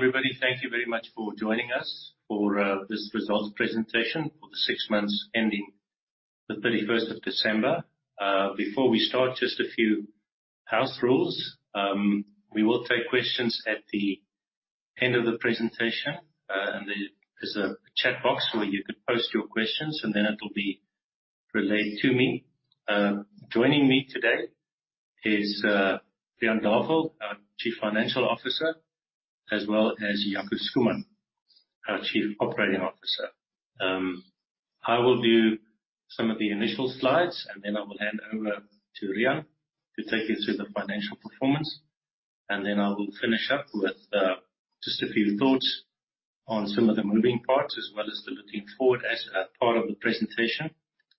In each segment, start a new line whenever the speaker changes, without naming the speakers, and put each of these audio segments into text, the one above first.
Everybody, thank you very much for joining us for this results presentation for the six months ending the 31st of December. Before we start, just a few house rules. We will take questions at the end of the presentation. There is a chat box where you can post your questions, and then it'll be relayed to me. Joining me today is Riaan Davel, our Chief Financial Officer, as well as Jaco Schoeman, our Chief Operating Officer. I will do some of the initial slides, and then I will hand over to Riaan to take you through the financial performance. Then I will finish up with just a few thoughts on some of the moving parts as well as the looking forward as a part of the presentation.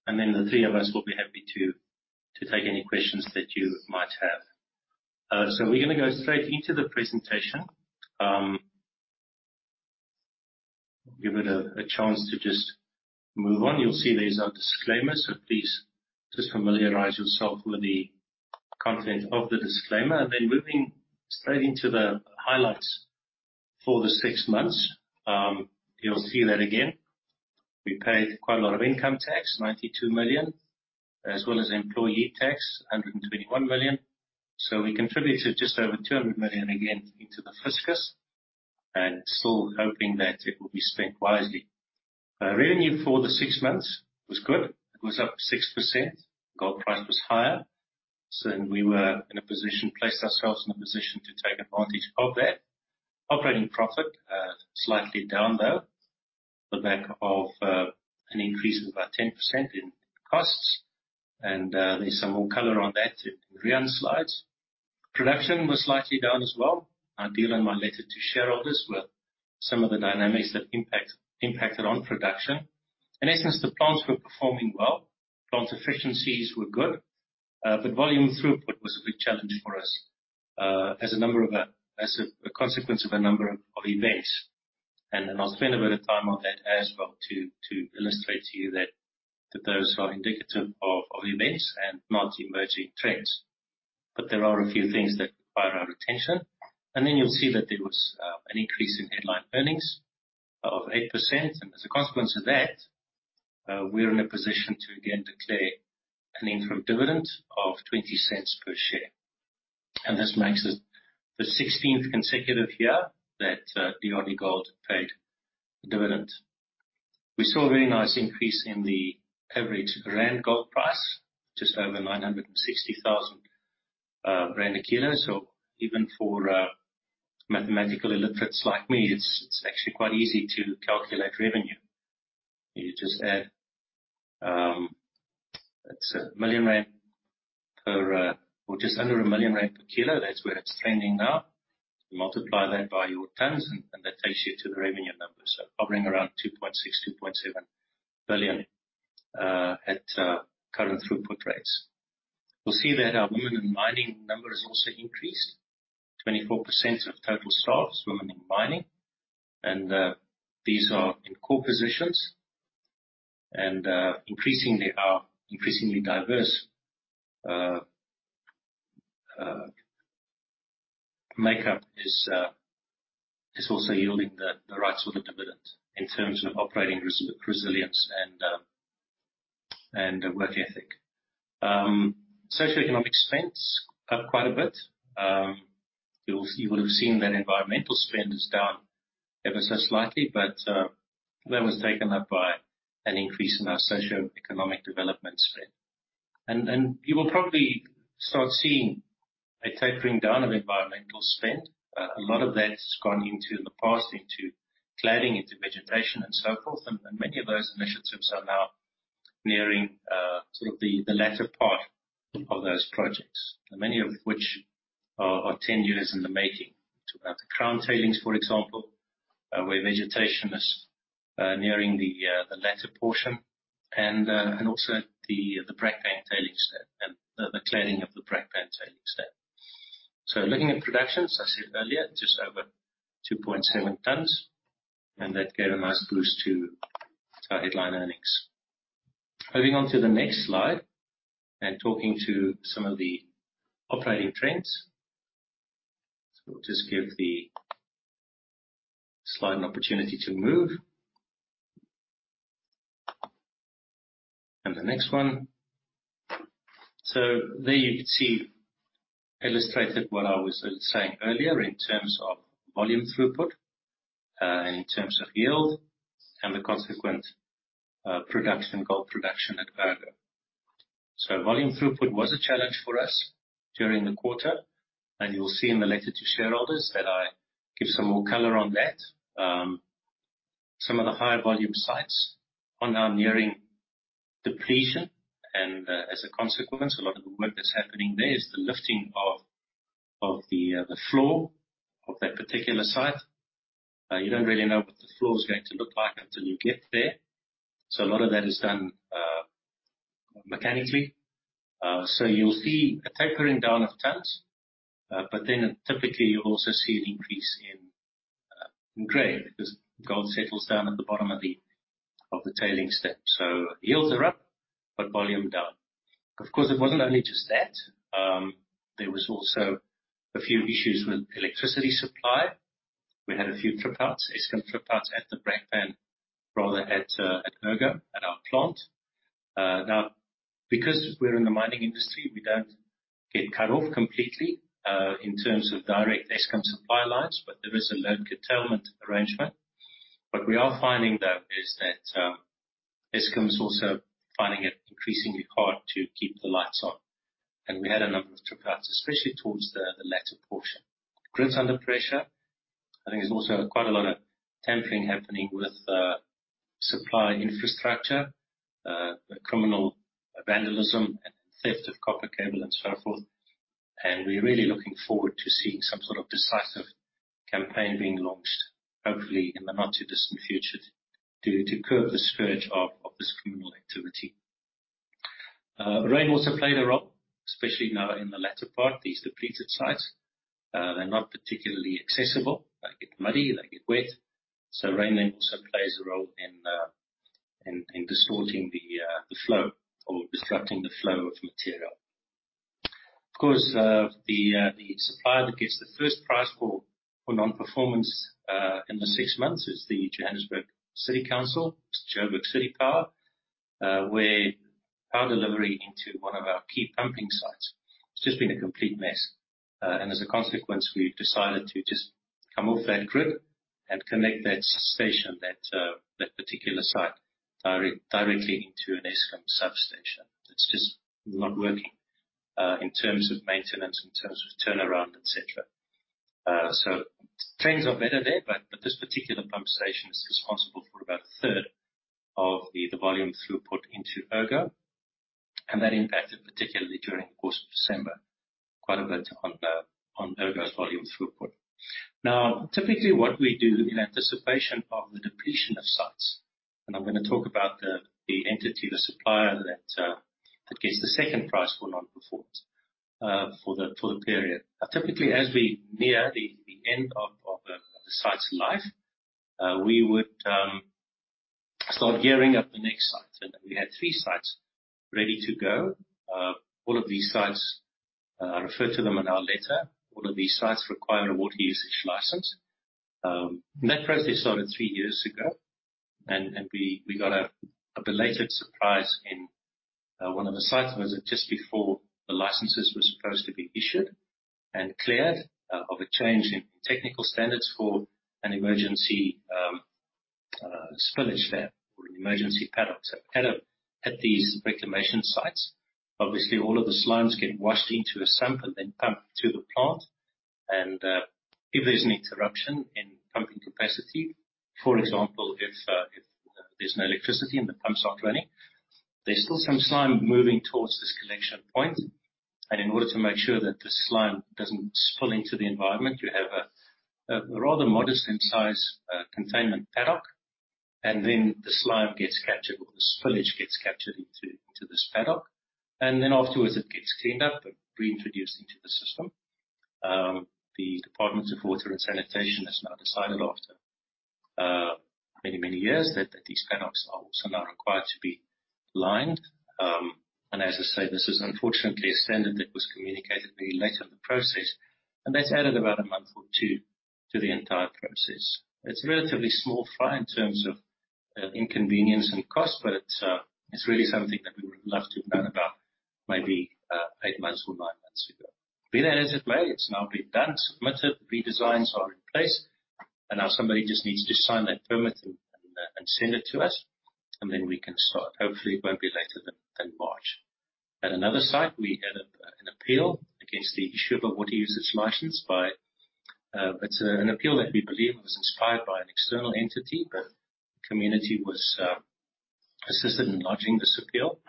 The three of us will be happy to take any questions that you might have. We're gonna go straight into the presentation. Give it a chance to just move on. You'll see there's our disclaimer. Please just familiarize yourself with the content of the disclaimer. Moving straight into the highlights for the six months. You'll see that again, we paid quite a lot of income tax, 92 million, as well as employee tax, 121 million. We contributed just over 200 million again into the fiscus, and still hoping that it will be spent wisely. Our revenue for the six months was good. It was up 6%. Gold price was higher, we placed ourselves in a position to take advantage of that. Operating profit, slightly down though, on the back of an increase of about 10% in costs. There's some more color on that in Riaan's slides. Production was slightly down as well. I deal in my letter to shareholders with some of the dynamics that impacted on production. In essence, the plants were performing well. Plant efficiencies were good. But volume throughput was a big challenge for us, as a consequence of a number of events. I'll spend a bit of time on that as well to illustrate to you that those are indicative of events and not emerging trends. There are a few things that require our attention. You'll see that there was an increase in Headline Earnings of 8%. As a consequence of that, we're in a position to again declare an interim dividend of 0.20 per share. This makes it the 16th consecutive year that DRDGOLD paid a dividend. We saw a very nice increase in the average rand gold price, just over 960,000 rand a kilo. Even for mathematical illiterates like me, it's actually quite easy to calculate revenue. You just add, it's 1 million rand per, or just under 1 million rand per kilo. That's where it's trending now. You multiply that by your tons and that takes you to the revenue number. Hovering around 2.6 billion-2.7 billion at current throughput rates. You'll see that our women in mining number has also increased. 24% of total staff is women in mining. These are in core positions. Increasingly diverse makeup is also yielding the right sort of dividend in terms of operating resilience and work ethic. Socioeconomic expense up quite a bit. You would have seen that environmental spend is down ever so slightly, but that was taken up by an increase in our socioeconomic development spend. You will probably start seeing a tapering down of environmental spend. A lot of that's gone into the past, into cladding, into vegetation, and so forth. Many of those initiatives are now nearing sort of the latter part of those projects. Many of which are 10-years in the making. Talk about the crown tailings, for example, where vegetation is nearing the latter portion and also the Brakpan tailings dam and the cladding of the Brakpan tailings dam. Looking at production, as I said earlier, just over 2.7 tons, and that gave a nice boost to our headline earnings. Moving on to the next slide and talking to some of the operating trends. We'll just give the slide an opportunity to move. The next one. There you can see illustrated what I was saying earlier in terms of volume throughput, in terms of yield and the consequent production, gold production at Ergo. Volume throughput was a challenge for us during the quarter, and you'll see in the letter to shareholders that I give some more color on that. Some of the higher volume sites are now nearing depletion, and as a consequence, a lot of the work that's happening there is the lifting of the floor of that particular site. You don't really know what the floor is going to look like until you get there. A lot of that is done mechanically. You'll see a tapering down of tons, but then typically, you'll also see an increase in grade because gold settles down at the bottom of the tailing step. Yields are up, but volume down. It wasn't only just that. There was also a few issues with electricity supply. We had a few trip outs, Eskom trip outs at the Brakpan, rather at Ergo, at our plant. Now because we're in the mining industry, we don't get cut off completely, in terms of direct Eskom supply lines, but there is a load curtailment arrangement. What we are finding, though, is that Eskom is also finding it increasingly hard to keep the lights on. We had a number of trip outs, especially towards the latter portion. Grid's under pressure. I think there's also quite a lot of tampering happening with supply infrastructure, criminal vandalism and theft of copper cable and so forth. We're really looking forward to seeing some sort of decisive campaign being launched, hopefully in the not-too-distant future to curb the scourge of this criminal activity. Rain also played a role, especially now in the latter part. These depleted sites, they're not particularly accessible. They get muddy, they get wet. Rain then also plays a role in, in distorting the flow or disrupting the flow of material. Of course, the supplier that gets the first prize for non-performance, in the six months is the Johannesburg City Council. It's Joburg City Power, where power delivery into one of our key pumping sites has just been a complete mess. And as a consequence, we've decided to just come off that grid and connect that station, that particular site directly into an Eskom substation. That's just not working, in terms of maintenance, in terms of turnaround, et cetera. Things are better there, but this particular pump station is responsible for about a third of the volume throughput into Ergo, and that impacted particularly during the course of December, quite a bit on Ergo's volume throughput. Typically what we do in anticipation of the depletion of sites, and I'm gonna talk about the entity, the supplier that gets the second prize for non-performance for the period. Typically as we near the end of a site's life, we would start gearing up the next site. We had 3 sites ready to go. All of these sites, I refer to them in our letter. All of these sites require a Water Use Licence. That process started three years ago. We got a belated surprise in one of the sites was that just before the licenses were supposed to be issued and cleared of a change in technical standards for an emergency spillage there or an emergency paddock. A paddock at these reclamation sites, obviously all of the slimes get washed into a sump and then pumped to the plant. If there's an interruption in pumping capacity, for example, if there's no electricity and the pumps aren't running, there's still some slime moving towards this collection point. In order to make sure that the slime doesn't spill into the environment, you have a rather modest in size containment paddock. The slime gets captured or the spillage gets captured into this paddock, and then afterwards it gets cleaned up and reintroduced into the system. The Department of Water and Sanitation has now decided after many, many years that these paddocks are also now required to be lined. As I say, this is unfortunately a standard that was communicated very late in the process, and that's added about a month or two to the entire process. It's a relatively small fry in terms of inconvenience and cost, but it's really something that we would love to have known about maybe eight months or nine months ago. Be that as it may, it's now been done, submitted, the redesigns are in place, and now somebody just needs to sign that permit and send it to us, and then we can start. Hopefully it won't be later than March. At another site, we had an appeal against the issue of a Water Use Licence by. It's an appeal that we believe was inspired by an external entity. The community was assisted in lodging this appeal.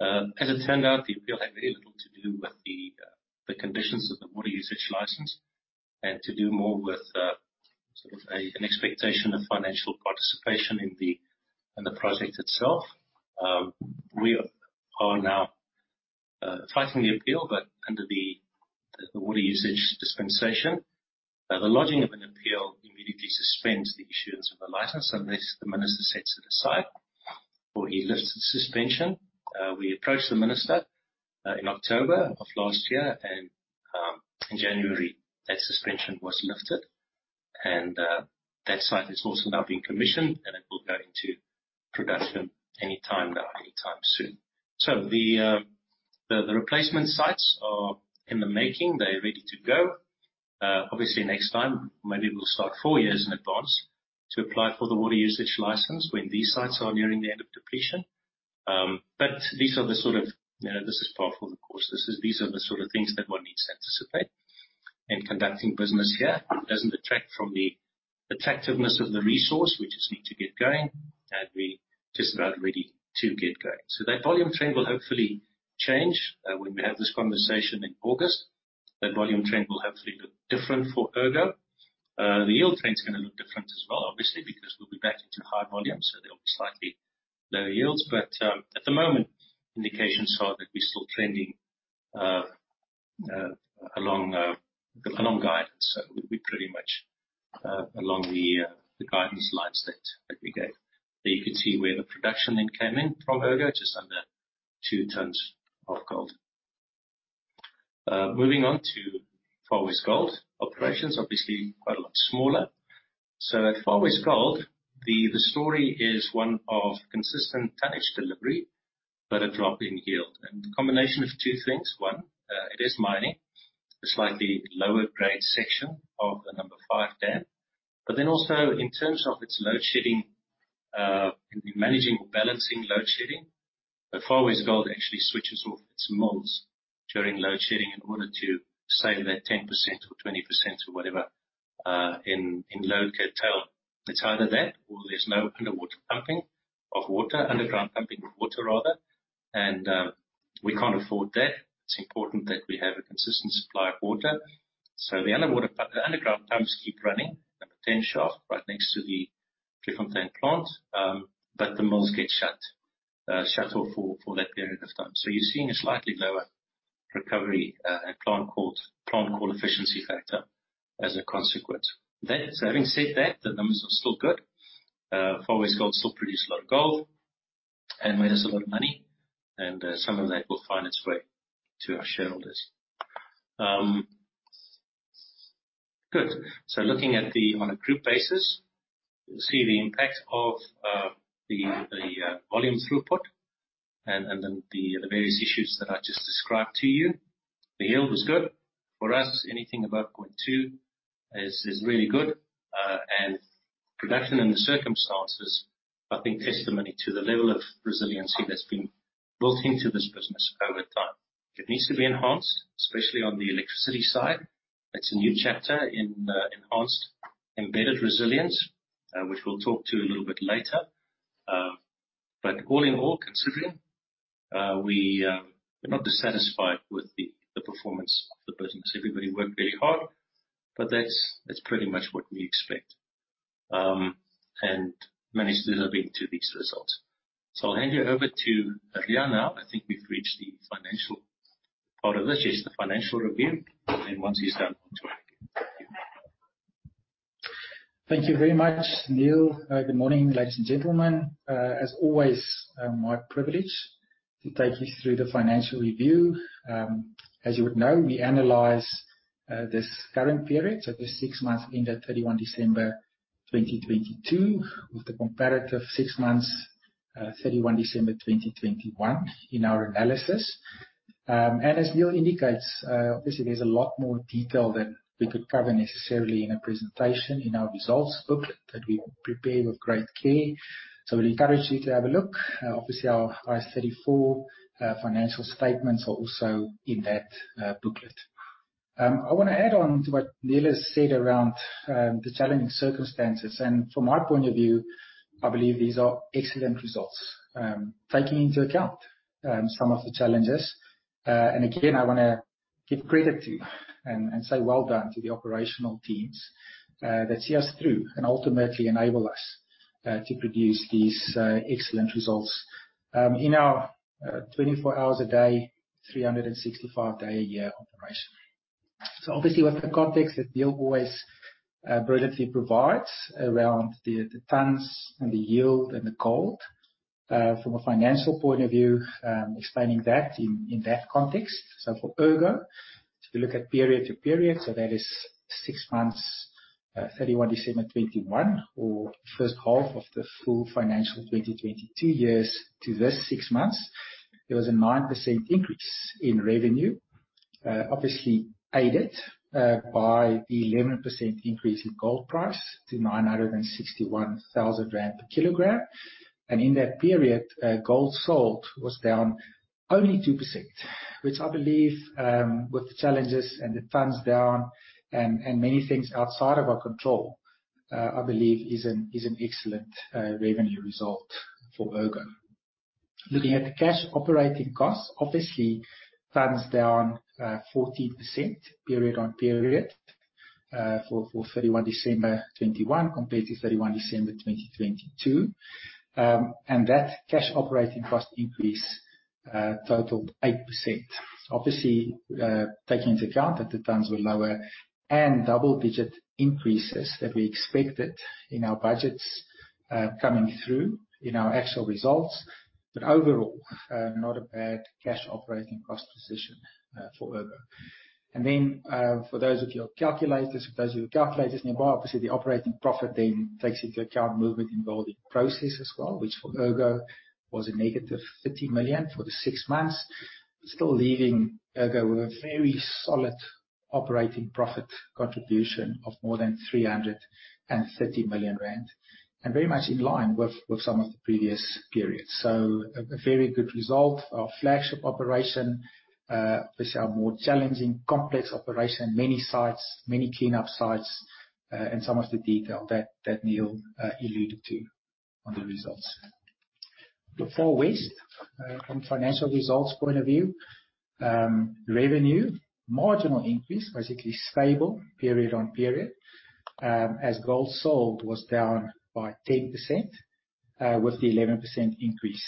As it turned out, the appeal had very little to do with the conditions of the Water Use Licence and to do more with sort of an expectation of financial participation in the project itself. We are now fighting the appeal, but under the water usage dispensation, the lodging of an appeal immediately suspends the issuance of a license unless the minister sets it aside or he lifts the suspension. We approached the minister in October of last year and in January that suspension was lifted. That site is also now being commissioned, and it will go into production anytime now, anytime soon. The replacement sites are in the making. They're ready to go. Obviously next time, maybe we'll start four years in advance to apply for the Water Use Licence when these sites are nearing the end of depletion. These are the sort of, you know, this is par for the course. These are the sort of things that one needs to anticipate. Conducting business here doesn't detract from the attractiveness of the resource. We just need to get going, and we're just about ready to get going. That volume trend will hopefully change when we have this conversation in August. That volume trend will hopefully look different for Ergo. The yield trend's gonna look different as well, obviously, because we'll be back into high volume, so there'll be slightly lower yields. But at the moment, indications are that we're still trending along guidance. We're pretty much along the guidance lines that we gave. You could see where the production then came in from Ergo, just under two tons of gold. Moving on to Far West Gold operations, obviously quite a lot smaller. At Far West Gold, the story is one of consistent tonnage delivery, but a drop in yield. The combination of two things. One, it is mining a slightly lower grade section of the number five dam. Also in terms of its load shedding, can be managing or balancing load shedding. Far West Gold actually switches off its mills during load shedding in order to save that 10% or 20% or whatever, in load curtailment. It's either that or there's no underground pumping of water, rather. We can't afford that. It's important that we have a consistent supply of water. The underwater pump, the underground pumps keep running at the 10 shaft right next to the Klerksdorp plant, but the mills get shut off for that period of time. You're seeing a slightly lower recovery at plant called efficiency factor as a consequence. Having said that, the numbers are still good. Far West Gold still produced a lot of gold and made us a lot of money, and some of that will find its way to our shareholders. Good. Looking on a group basis, you'll see the impact of the volume throughput and then the various issues that I just described to you. The yield was good. For us, anything above 0.2 is really good. Production in the circumstances, I think testimony to the level of resiliency that's been built into this business over time. It needs to be enhanced, especially on the electricity side. It's a new chapter in enhanced embedded resilience, which we'll talk to a little bit later. All in all, considering, we're not dissatisfied with the performance of the business. Everybody worked very hard, but that's pretty much what we expect and managed delivering to these results. I'll hand you over to Riaan now. I think we've reached the financial part of this. Yes, the financial review. Once he's done, on to Jaco. Thank you.
Thank you very much, Niël. Good morning, ladies and gentlemen. As always, my privilege to take you through the financial review. As you would know, we analyze this current period, so the six months ending 31 December 2022 with the comparative six months, 31 December 2021 in our analysis. As Niël indicates, obviously there's a lot more detail than we could cover necessarily in a presentation in our results booklet that we prepare with great care. So we'd encourage you to have a look. Obviously our IAS 34 financial statements are also in that booklet. I wanna add on to what Niël has said around the challenging circumstances. From my point of view, I believe these are excellent results, taking into account some of the challenges. Again, I wanna give credit to and say well done to the operational teams that see us through and ultimately enable us to produce these excellent results in our 24-hours a day, 365-day a year operation. Obviously with the context that Niël always brilliantly provides around the tons and the yield and the gold from a financial point of view, explaining that in that context. For Ergo, if you look at period to period, that is six months, 31 December 2021 or first half of the full financial 2022 years to this six months, there was a 9% increase in revenue. Obviously aided by 11% increase in gold price to 961,000 rand per kilogram. In that period, gold sold was down only 2%, which I believe, with the challenges and the tons down and many things outside of our control, I believe is an excellent revenue result for Ergo. Looking at the cash operating costs, obviously tons down, 14% period on period, for 31 December 2021 compared to 31 December 2022. And that cash operating cost increase totaled 8%. Obviously, taking into account that the tons were lower and double-digit increases that we expected in our budgets, coming through in our actual results. Overall, not a bad cash operating cost position for Ergo. For those of you on calculators, for those of you with calculators nearby, obviously the operating profit then takes into account movement in gold in process as well, which for Ergo was a negative 30 million for the six months. Still leaving Ergo with a very solid operating profit contribution of more than 330 million rand, and very much in line with some of the previous periods. A very good result. Our flagship operation, obviously our more challenging complex operation, many sites, many cleanup sites, and some of the detail that Niël alluded to on the results. For Far West, from financial results point of view, revenue, marginal increase, basically stable period on period, as gold sold was down by 10%. With the 11% increase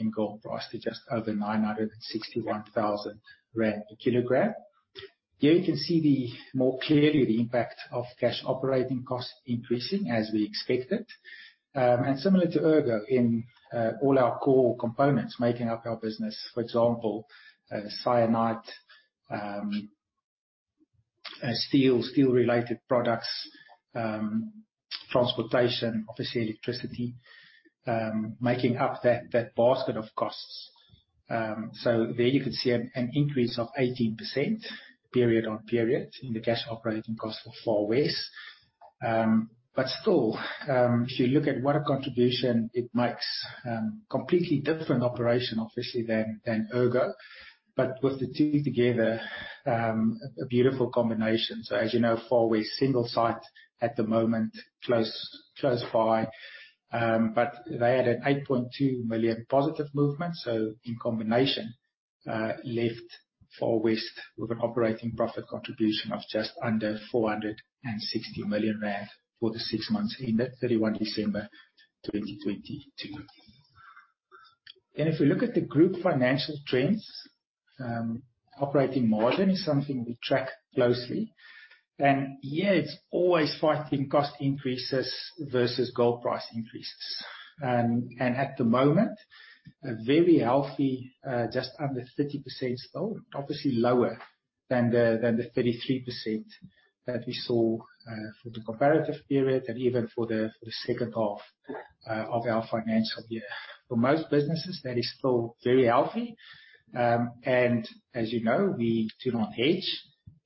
in gold price to just over 961,000 rand per kilogram. Here you can see more clearly the impact of cash operating costs increasing as we expected. Similar to Ergo in all our core components making up our business, for example, cyanide, steel related products, transportation, obviously electricity, making up that basket of costs. There you can see an increase of 18% period on period in the cash operating costs for Far West. Still, if you look at what a contribution it makes, completely different operation obviously than Ergo. With the two together, a beautiful combination. As you know, Far West single site at the moment, close by. They had a 8.2 million positive movement. In combination, left Far West with an operating profit contribution of just under 460 million rand for the six months ended December 31, 2022. If we look at the group financial trends, operating margin is something we track closely. Here it's always fighting cost increases versus gold price increases. At the moment, a very healthy, just under 30% still, obviously lower than the 33% that we saw for the comparative period and even for the second half of our financial year. For most businesses, that is still very healthy. As you know, we do not hedge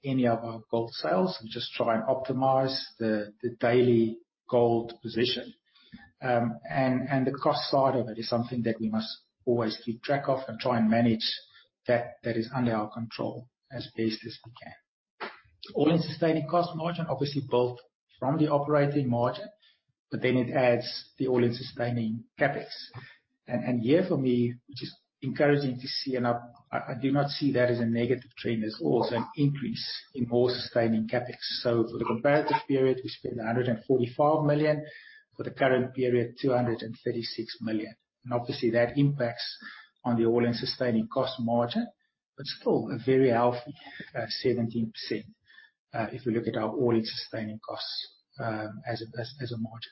any of our gold sales. We just try and optimize the daily gold position. The cost side of it is something that we must always keep track of and try and manage that is under our control as best as we can. all-in sustaining cost margin, obviously built from the operating margin, but then it adds the all-in sustaining CapEx. Here for me, which is encouraging to see, and I do not see that as a negative trend, there's also an increase in all sustaining CapEx. For the comparative period, we spent 145 million, for the current period, 236 million. Obviously, that impacts on the all-in sustaining cost margin, but still a very healthy 17% if we look at our all-in sustaining costs as a margin.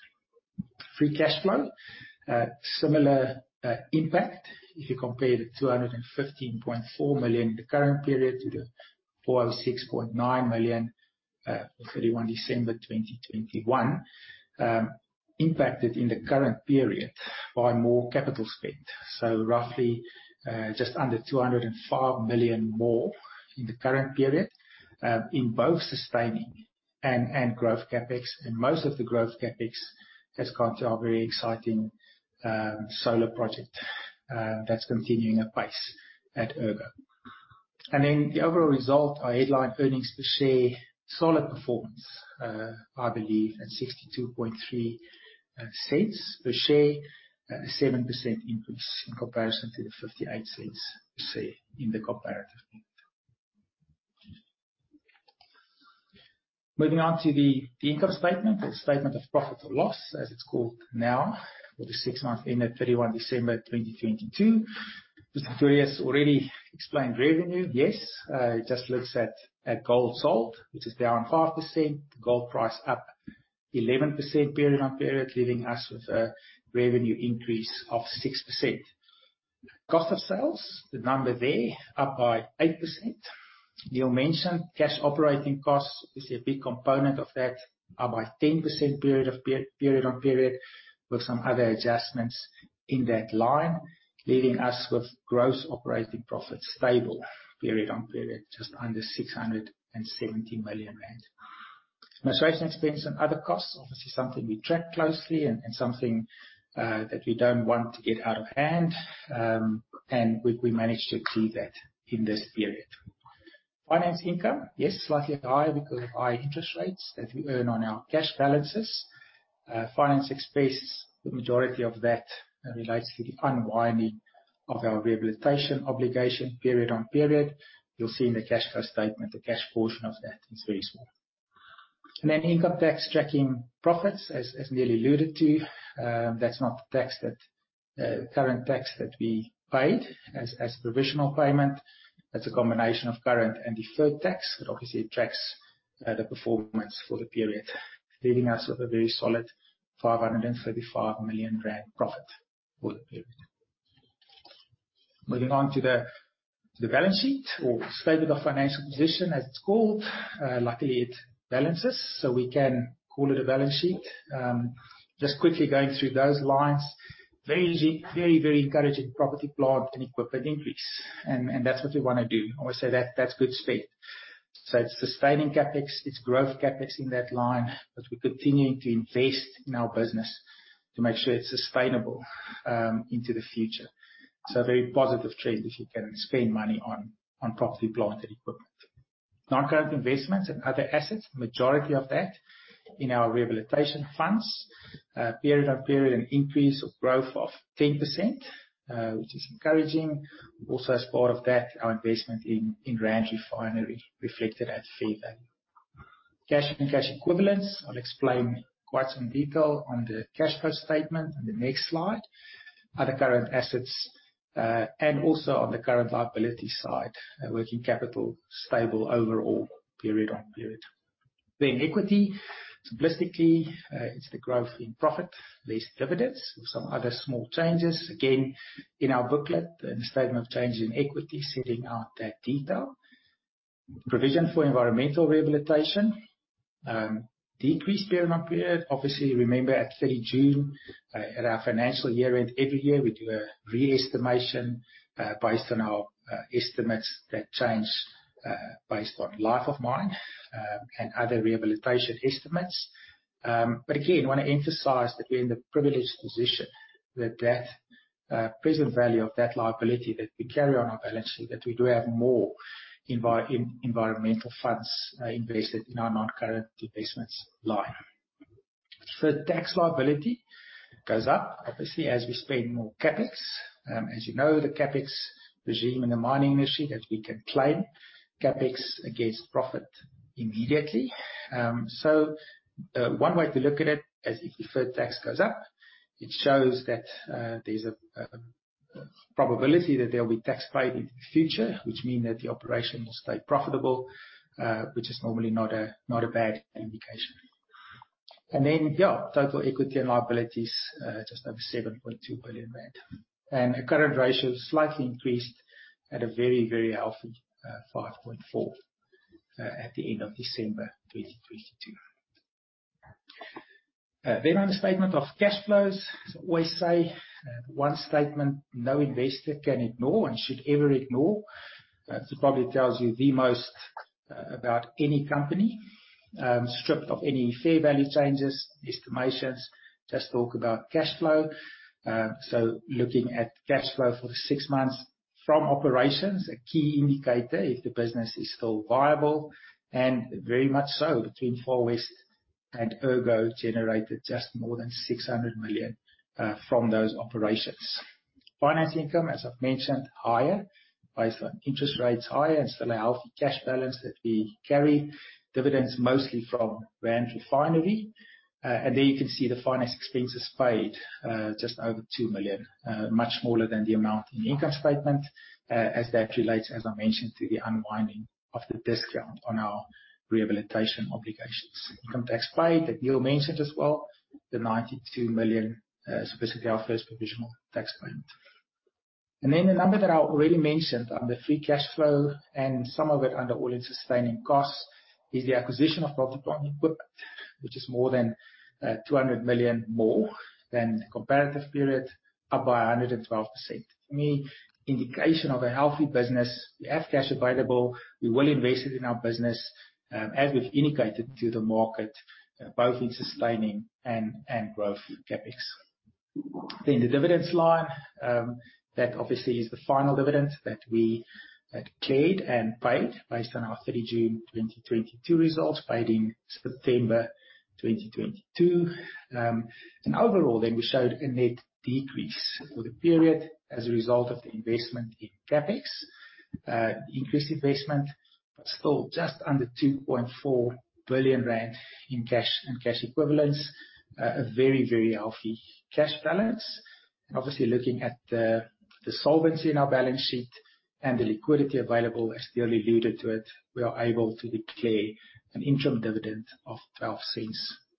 Free cash flow, similar impact if you compare the 215.4 million in the current period to the 406.9 million for December 31, 2021. Impacted in the current period by more capital spend. Roughly just under 205 million more in the current period in both sustaining and growth CapEx. Most of the growth CapEx has gone to our very exciting solar project that's continuing apace at Ergo. The overall result, our headline earnings per share, solid performance, I believe at 0.623 per share. 7% increase in comparison to the 0.58 per share in the comparative period. Moving on to the income statement or statement of profit or loss, as it's called now, for the six months ended December 31, 2022. Mr. Fourie has already explained revenue. Yes, it just looks at gold sold, which is down 5%. Gold price up 11% period on period, leaving us with a revenue increase of 6%. Cost of sales, the number there, up by 8%. Niël mentioned cash operating costs is a big component of that, up by 10% period on period, with some other adjustments in that line, leaving us with gross operating profits stable period on period, just under 670 million rand. Administration expense and other costs, obviously something we track closely and something that we don't want to get out of hand. We managed to achieve that in this period. Finance income, yes, slightly higher because of high interest rates that we earn on our cash balances. Finance expense, the majority of that relates to the unwinding of our rehabilitation obligation period on period. You'll see in the cash flow statement, the cash portion of that is very small. Then income tax tracking profits, as Niël alluded to. That's not the tax that current tax that we paid as provisional payment. That's a combination of current and deferred tax that obviously tracks the performance for the period, leaving us with a very solid 535 million rand profit for the period. Moving on to the balance sheet or statement of financial position, as it's called. Luckily it balances, we can call it a balance sheet. Just quickly going through those lines, very easy, very encouraging property, plant, and equipment increase. That's what we wanna do. I would say that's good spend. It's sustaining CapEx, it's growth CapEx in that line, but we're continuing to invest in our business to make sure it's sustainable into the future. A very positive trend if you can spend money on property, plant and equipment. Non-current investments and other assets. Majority of that in our rehabilitation funds. Period on period, an increase of growth of 10%, which is encouraging. Also, as part of that, our investment in Rand Refinery reflected at fair value. Cash and cash equivalents. I'll explain quite some detail on the cash flow statement on the next slide. Other current assets, and also on the current liability side, working capital stable overall period-on-period. Equity, simplistically, it's the growth in profit less dividends with some other small changes. Again, in our booklet, the statement of change in equity setting out that detail. Provision for environmental rehabilitation, decreased year-on-year. Obviously, remember at 30 June, at our financial year-end, every year we do a re-estimation, based on our estimates that change, based on life of mine, and other rehabilitation estimates. Again, wanna emphasize that we're in the privileged position with that present value of that liability that we carry on our balance sheet, that we do have more environmental funds invested in our non-current investments line. Deferred tax liability goes up, obviously, as we spend more CapEx. As you know, the CapEx regime in the mining industry that we can claim CapEx against profit immediately. One way to look at it, as deferred tax goes up, it shows that there's a probability that there'll be tax paid into the future, which mean that the operation will stay profitable, which is normally not a bad indication. Total equity and liabilities just over 7.2 billion rand. Our current ratio slightly increased at a very, very healthy 5.4 at the end of December 2022. On the statement of cash flows, as I always say, one statement no investor can ignore and should ever ignore. you the most about any company, stripped of any fair value changes, estimations, just talk about cash flow. Looking at cash flow for the six months from operations, a key indicator if the business is still viable, and very much so between FWGR and Ergo generated just more than 600 million from those operations. Finance income, as I've mentioned, higher based on interest rates higher and still a healthy cash balance that we carry. Dividends mostly from Rand Refinery. There you can see the finance expenses paid, just over 2 million, much smaller than the amount in the income statement, as that relates, as I mentioned, to the unwinding of the discount on our rehabilitation obligations. Income tax paid that Niël mentioned as well, the 92 million, specifically our first provisional tax payment The number that I already mentioned under free cash flow and some of it under all-in sustaining costs is the acquisition of capital mining equipment, which is more than 200 million more than the comparative period, up by 112%. To me, indication of a healthy business. We have cash available. We will invest it in our business, as we've indicated to the market, both in sustaining and growth CapEx. The dividends line, that obviously is the final dividend that we had declared and paid based on our 30 June 2022 results, paid in September 2022. Overall then we showed a net decrease for the period as a result of the investment in CapEx, increased investment, but still just under 2.4 billion rand in cash and cash equivalents. A very, very healthy cash balance. Obviously, looking at the solvency in our balance sheet and the liquidity available, as Niël alluded to it, we are able to declare an interim dividend of 0.12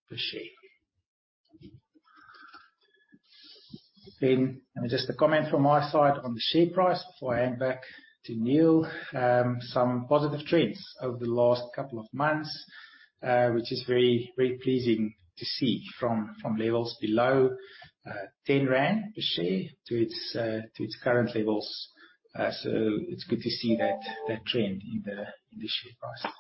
per share. Just a comment from my side on the share price before I hand back to Niël. Some positive trends over the last couple of months, which is very, very pleasing to see from levels below 10 rand per share to its current levels. It's good to see that trend in the share price.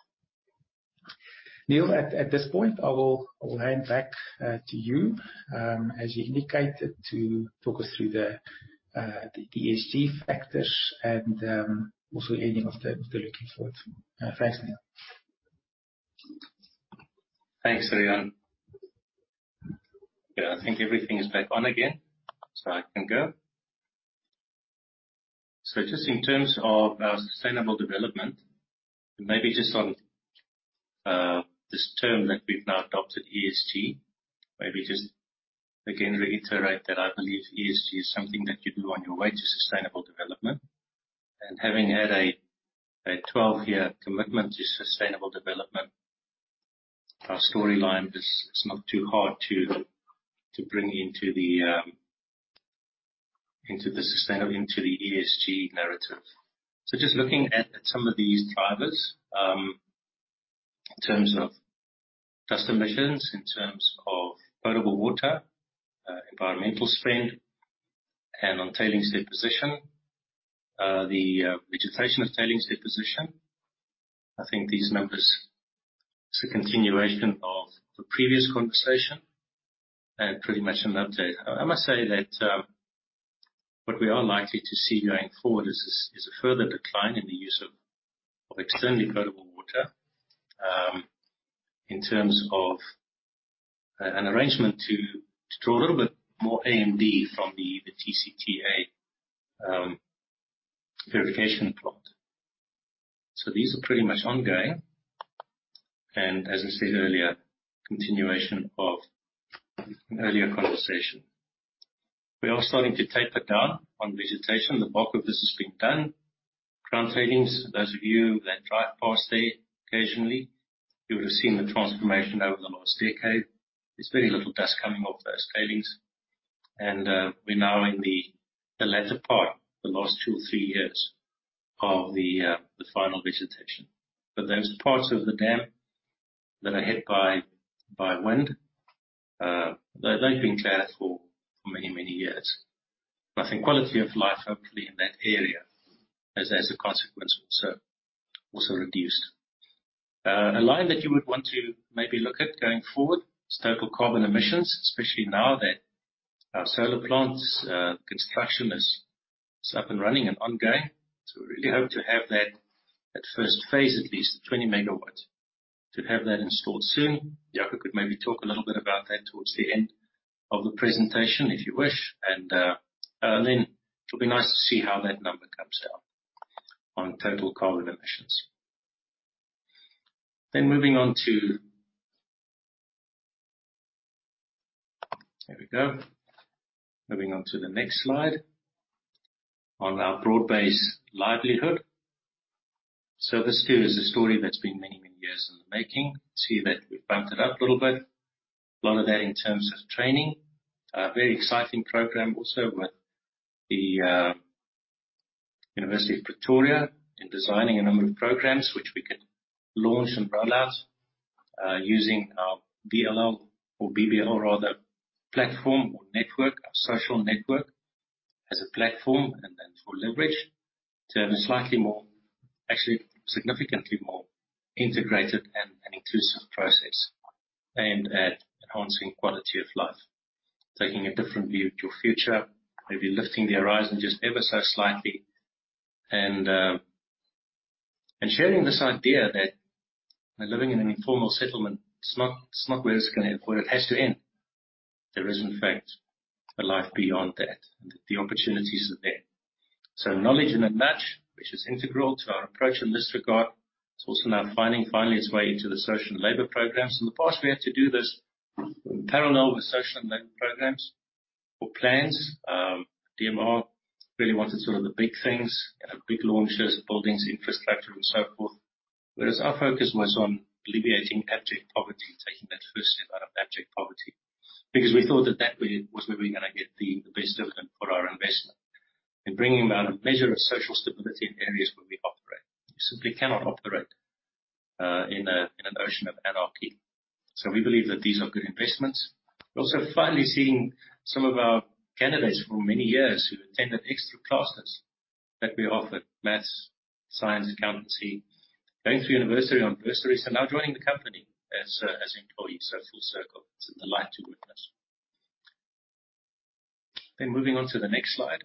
Niël, at this point, I will hand back to you, as you indicated, to talk us through the ESG factors and also any of the looking forward. Thanks, Niël.
Thanks, Riaan. Yeah, I think everything is back on again, so I can go. Just in terms of our sustainable development, and maybe just on this term that we've now adopted, ESG, maybe just again reiterate that I believe ESG is something that you do on your way to sustainable development. Having had a 12-year commitment to sustainable development, our storyline is not too hard to bring into the ESG narrative. Just looking at some of these drivers, in terms of dust emissions, in terms of potable water, environmental spend, and on tailings deposition, the vegetation of tailings deposition. I think these numbers is a continuation of the previous conversation and pretty much an update. I must say that, what we are likely to see going forward is a further decline in the use of externally potable water. In terms of an arrangement to draw a little bit more AMD from the TCTA, Verification plot. These are pretty much ongoing, and as I said earlier, continuation of an earlier conversation. We are starting to taper down on vegetation. The bulk of this has been done. Ground tailings, those of you that drive past there occasionally, you would have seen the transformation over the last decade. There's very little dust coming off those tailings. We're now in the latter part, the last two, three years of the final vegetation. Those parts of the dam that are hit by wind, they've been cleared for many, many years. I think quality of life hopefully in that area has, as a consequence, also reduced. The line that you would want to maybe look at going forward is total carbon emissions, especially now that our solar plants, construction is up and running and ongoing. We really hope to have that at first phase, at least 20 MW, to have that installed soon. Jaco could maybe talk a little bit about that towards the end of the presentation, if you wish. It'll be nice to see how that number comes down on total carbon emissions. There we go. Moving on to the next slide on our broad-based livelihood. This too is a story that's been many, many years in the making. See that we've bumped it up a little bit. A lot of that in terms of training. A very exciting program also with the University of Pretoria in designing a number of programs which we can launch and roll out using our BBL platform or network, our social network, as a platform and then for leverage to have a slightly more, actually significantly more integrated and an inclusive process aimed at enhancing quality of life. Taking a different view of your future, maybe lifting the horizon just ever so slightly and sharing this idea that living in an informal settlement is not where it has to end. There is in fact a life beyond that, and the opportunities are there. Knowledge in a match, which is integral to our approach in this regard, is also now finding finally its way into the Social and Labour programs. In the past, we had to do this parallel with social labor programs or plans. DMR really wanted sort of the big things, you know, big launches, buildings, infrastructure and so forth. Whereas our focus was on alleviating abject poverty, taking that first step out of abject poverty. Because we thought that that was where we were gonna get the best dividend for our investment. Bringing about a measure of social stability in areas where we operate. You simply cannot operate in a, in an ocean of anarchy. We believe that these are good investments. We're also finally seeing some of our candidates for many years who attended extra classes that we offered, math, science, accountancy, going through university on bursaries, are now joining the company as employees. Full circle. It's a delight to witness. Moving on to the next slide.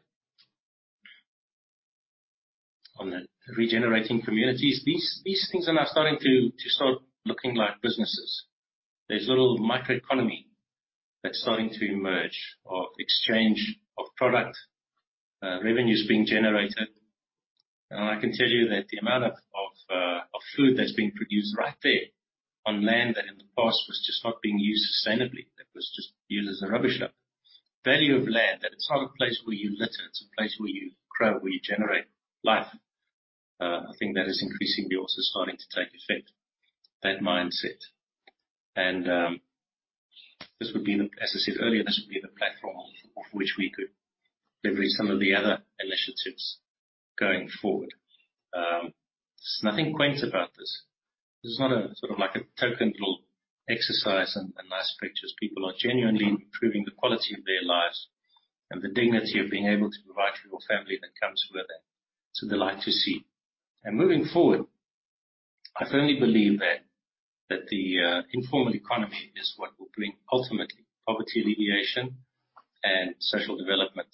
On the regenerating communities. These things are now starting to start looking like businesses. There's a little microeconomy that's starting to emerge of exchange of product. Revenue is being generated. I can tell you that the amount of food that's being produced right there on land that in the past was just not being used sustainably, that was just used as a rubbish dump. The value of land, that it's not a place where you litter, it's a place where you grow, where you generate life. I think that is increasingly also starting to take effect, that mindset. As I said earlier, this would be the platform off which we could leverage some of the other initiatives going forward. There's nothing quaint about this. This is not a sort of like a token little exercise and nice pictures. People are genuinely improving the quality of their lives and the dignity of being able to provide for your family that comes with it. It's a delight to see. Moving forward, I firmly believe that the informal economy is what will bring ultimately poverty alleviation and social development.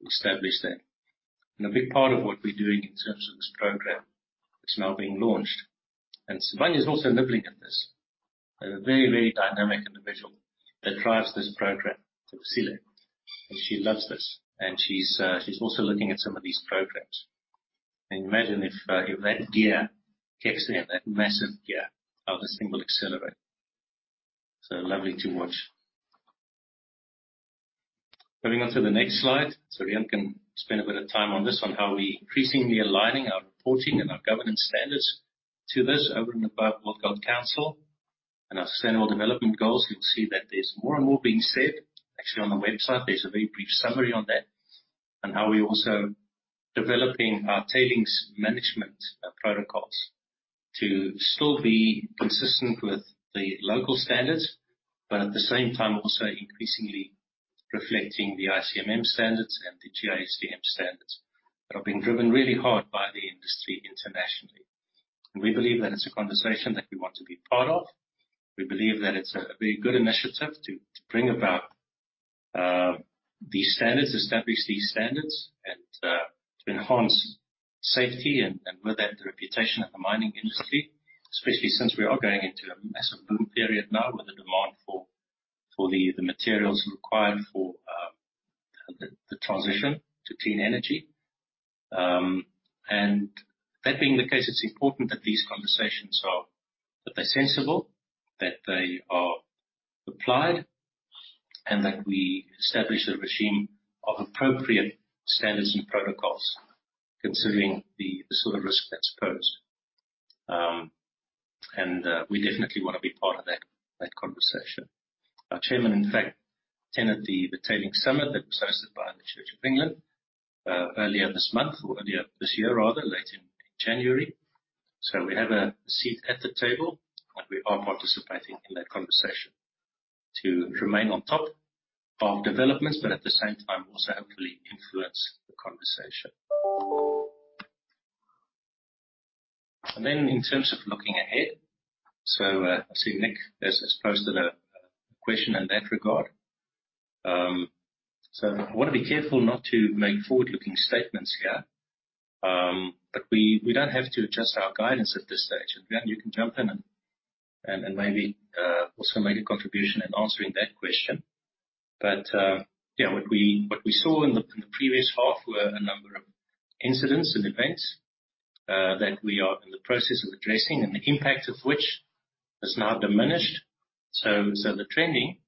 We established that. A big part of what we're doing in terms of this program, it's now being launched. Sibanye is also nibbling at this. They have a very dynamic individual that drives this program, Phumzile, and she loves this. She's also looking at some of these programs. Imagine if that gear kicks in, that massive gear, how this thing will accelerate. Lovely to watch. Moving on to the next slide. Riaan can spend a bit of time on this, on how we're increasingly aligning our reporting and our governance standards to this over in the World Gold Council. Our sustainable development goals, you'll see that there's more and more being said. Actually on the website, there's a very brief summary on that. How we're also developing our tailings management protocols to still be consistent with the local standards, but at the same time, also increasingly reflecting the ICMM standards and the GISTM standards that have been driven really hard by the industry internationally. We believe that it's a conversation that we want to be part of. We believe that it's a very good initiative to bring about these standards, establish these standards and to enhance safety and with that, the reputation of the mining industry, especially since we are going into a massive boom period now with the demand for the materials required for the transition to clean energy. That being the case, it's important that these conversations are. That they're sensible, that they are applied, and that we establish a regime of appropriate standards and protocols considering the sort of risk that's posed. We definitely wanna be part of that conversation. Our chairman, in fact, attended the Tailings Summit that was hosted by the Church of England earlier this month or earlier this year rather, late in January. We have a seat at the table, and we are participating in that conversation to remain on top of developments, but at the same time also hopefully influence the conversation. In terms of looking ahead, I see Nick has posted a question in that regard. I wanna be careful not to make forward-looking statements here. We don't have to adjust our guidance at this stage. Grant, you can jump in and maybe also make a contribution in answering that question. Yeah, what we saw in the previous half were a number of incidents and events that we are in the process of addressing and the impact of which has now diminished. The trending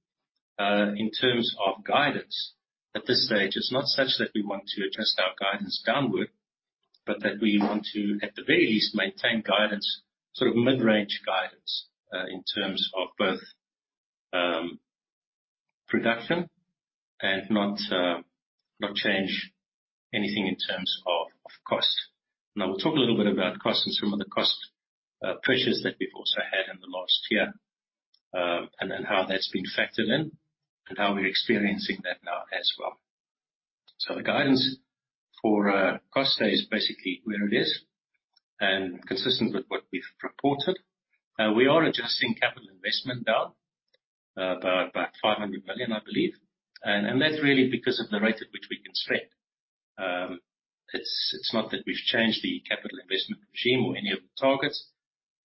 in terms of guidance at this stage is not such that we want to adjust our guidance downward, but that we want to, at the very least, maintain guidance, sort of mid-range guidance, in terms of both production and not change anything in terms of cost. We'll talk a little bit about cost and some of the cost pressures that we've also had in the last year, and then how that's been factored in and how we're experiencing that now as well. The guidance for cost stay is basically where it is and consistent with what we've reported. We are adjusting capital investment down about 500 million, I believe. That's really because of the rate at which we can spend. It's not that we've changed the capital investment regime or any of the targets,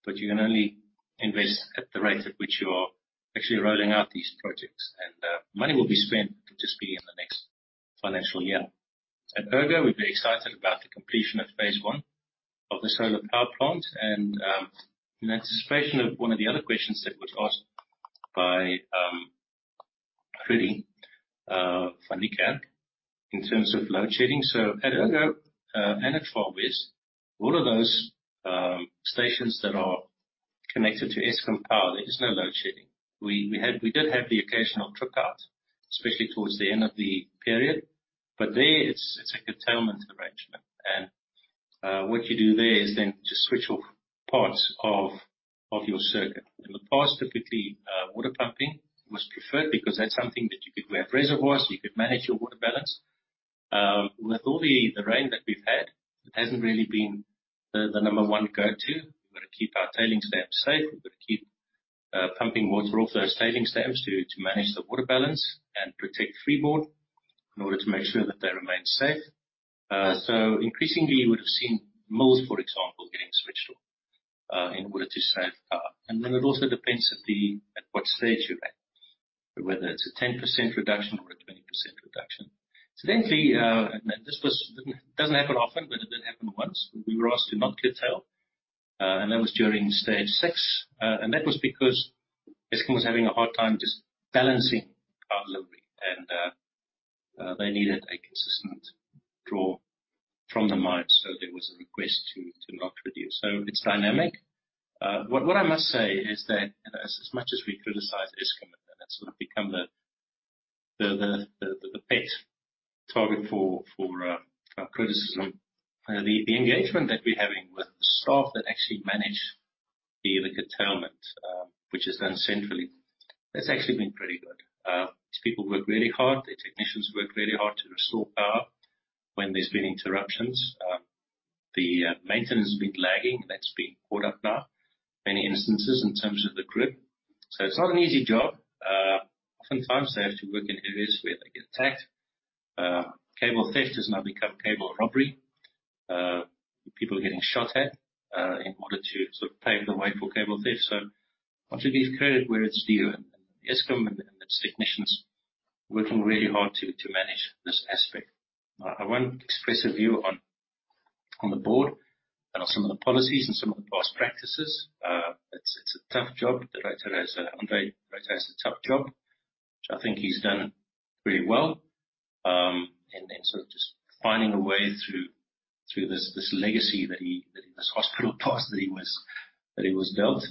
but you can only invest at the rate at which you are actually rolling out these projects. Money will be spent, it'll just be in the next financial year. At Ergo, we're very excited about the completion of phase I of the solar power plant and in anticipation of one of the other questions that was asked by Freddy Vanika in terms of load shedding. At Ergo and at FWGR, all of those stations that are connected to Eskom power, there is no load shedding. We did have the occasional trip out, especially towards the end of the period, but there it's a curtailment arrangement. What you do there is then just switch off parts of your circuit. In the past, typically, water pumping was preferred because that's something that you could grab reservoirs, you could manage your water balance. With all the rain that we've had, it hasn't really been the number one go-to. We've gotta keep our tailings dams safe. We've gotta keep pumping water off those tailings dams to manage the water balance and protect freeboard in order to make sure that they remain safe. Increasingly you would've seen mills, for example, getting switched off in order to save power. It also depends at what stage you're at, whether it's a 10% reduction or a 20% reduction. This doesn't happen often, but it did happen once. We were asked to not curtail, and that was during Stage 6. That was because Eskom was having a hard time just balancing power delivery and they needed a consistent draw from the mines, so there was a request to not reduce. It's dynamic. What I must say is that as much as we criticize Eskom, and that's sort of become the pet target for criticism. The engagement that we're having with the staff that actually manage the curtailment, which is done centrally, that's actually been pretty good. These people work really hard. Their technicians work really hard to restore power when there's been interruptions. The maintenance has been lagging. That's been caught up now, many instances in terms of the grid. It's not an easy job. Oftentimes they have to work in areas where they get attacked. Cable theft has now become cable robbery. People are getting shot at, in order to sort of pave the way for cable theft. I want to give credit where it's due, and Eskom and its technicians working really hard to manage this aspect. I won't express a view on the board and on some of the policies and some of the past practices. It's a tough job. The Director has, André de Ruyter has a tough job, which I think he's done pretty well. Sort of just finding a way through this legacy that he. This hospital path that he was built.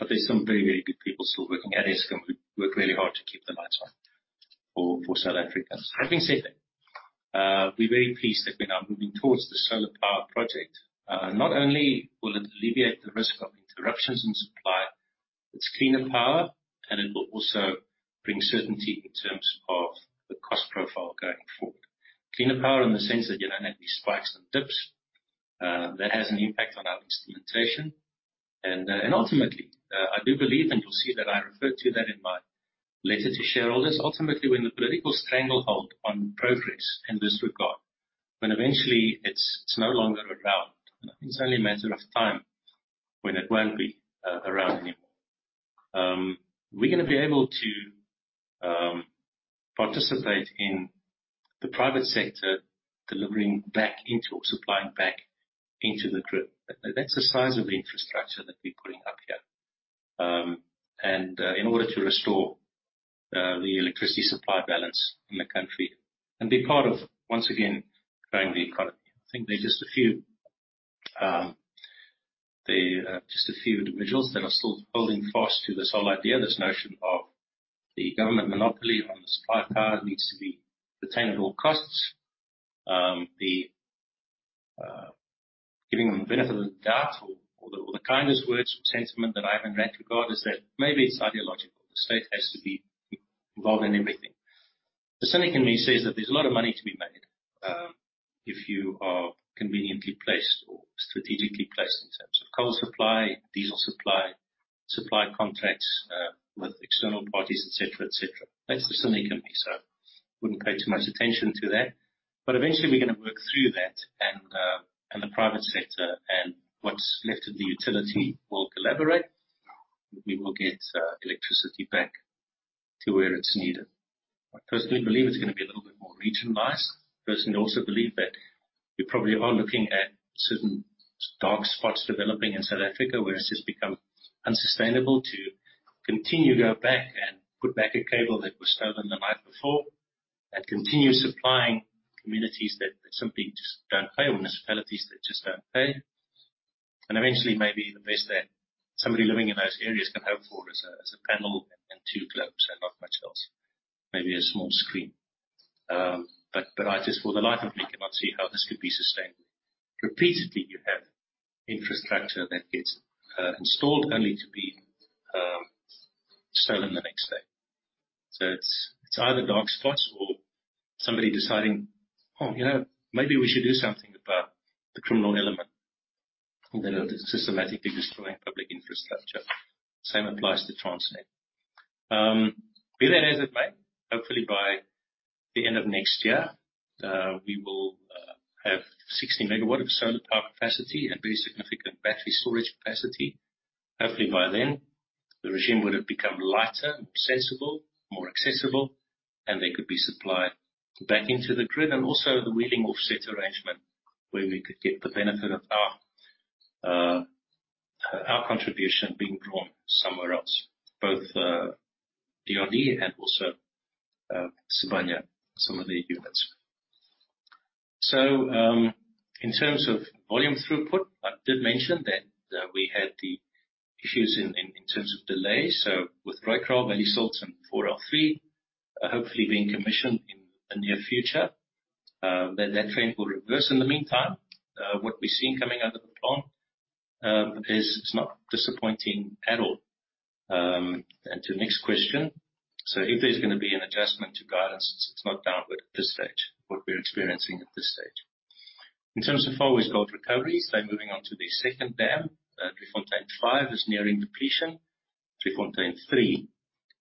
There's some very, very good people still working at Eskom who work really hard to keep the lights on for South Africans. Having said that, we're very pleased that we're now moving towards the solar power project. Not only will it alleviate the risk of interruptions in supply, it's cleaner power, and it will also bring certainty in terms of the cost profile going forward. Cleaner power in the sense that you don't have these spikes and dips, that has an impact on our instrumentation. Ultimately, I do believe, and you'll see that I referred to that in my letter to shareholders. Ultimately, when the political stranglehold on progress in this regard, when eventually it's no longer around, and I think it's only a matter of time. When it won't be around anymore. We're gonna be able to participate in the private sector delivering back into or supplying back into the grid. That's the size of infrastructure that we're putting up here. And in order to restore the electricity supply balance in the country and be part of, once again, growing the economy. I think there are just a few individuals that are still holding fast to this whole idea, this notion of the government monopoly on the supply power needs to be retained at all costs. The giving them the benefit of the doubt or the, or the kindest words or sentiment that I have in that regard is that maybe it's ideological. The state has to be involved in everything. The cynic in me says that there's a lot of money to be made, if you are conveniently placed or strategically placed in terms of coal supply, diesel supply contracts, with external parties, et cetera, et cetera. That's the cynic in me, so wouldn't pay too much attention to that. Eventually we're gonna work through that and the private sector and what's left of the utility will collaborate. We will get electricity back to where it's needed. I personally believe it's gonna be a little bit more region-wise. Personally also believe that we probably are looking at certain dark spots developing in South Africa, where it's just become unsustainable to continue go back and put back a cable that was stolen the night before and continue supplying communities that simply just don't pay or municipalities that just don't pay. Eventually maybe the best that somebody living in those areas can hope for is a panel and two globes and not much else. Maybe a small screen. I just for the life of me cannot see how this could be sustainable. Repeatedly, you have infrastructure that gets installed only to be stolen the next day. It's either dark spots or somebody deciding, "Oh, you know, maybe we should do something about the criminal element that are systematically destroying public infrastructure." Same applies to Transnet. Be that as it may, hopefully by the end of next year, we will have 60 MW of solar power capacity, a pretty significant battery storage capacity. Hopefully by then, the regime would have become lighter, more sensible, more accessible, and they could be supplied back into the grid. Also the wheeling offset arrangement where we could get the benefit of our contribution being drawn somewhere else, both DRD and also Sibanye-Stillwater, some of their units. In terms of volume throughput, I did mention that we had the issues in terms of delays. With Rooikraal, Valley Silts and 4L3, hopefully being commissioned in the near future, then that trend will reverse in the meantime. What we're seeing coming out of the plant is it's not disappointing at all. To the next question. If there's gonna be an adjustment to guidance, it's not downward at this stage, what we're experiencing at this stage. In terms of Far West Gold Recoveries, they're moving on to the second dam. Driefontein 5 is nearing depletion. Driefontein 3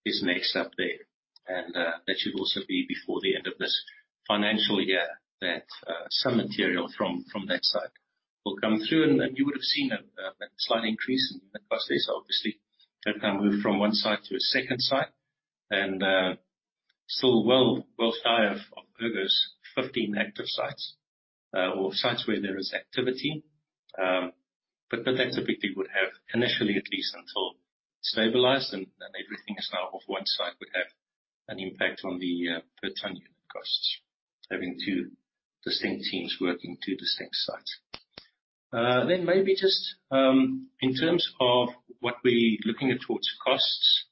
is next up there. That should also be before the end of this financial year that some material from that site will come through and you would have seen a slight increase in unit cost. It can move from one site to a second site and still well shy of those 15 active sites or sites where there is activity. That typically would have initially at least until stabilized and everything is now off one site would have an impact on the per ton unit costs. Having two distinct teams working two distinct sites. Maybe just in terms of what we're looking at towards costs.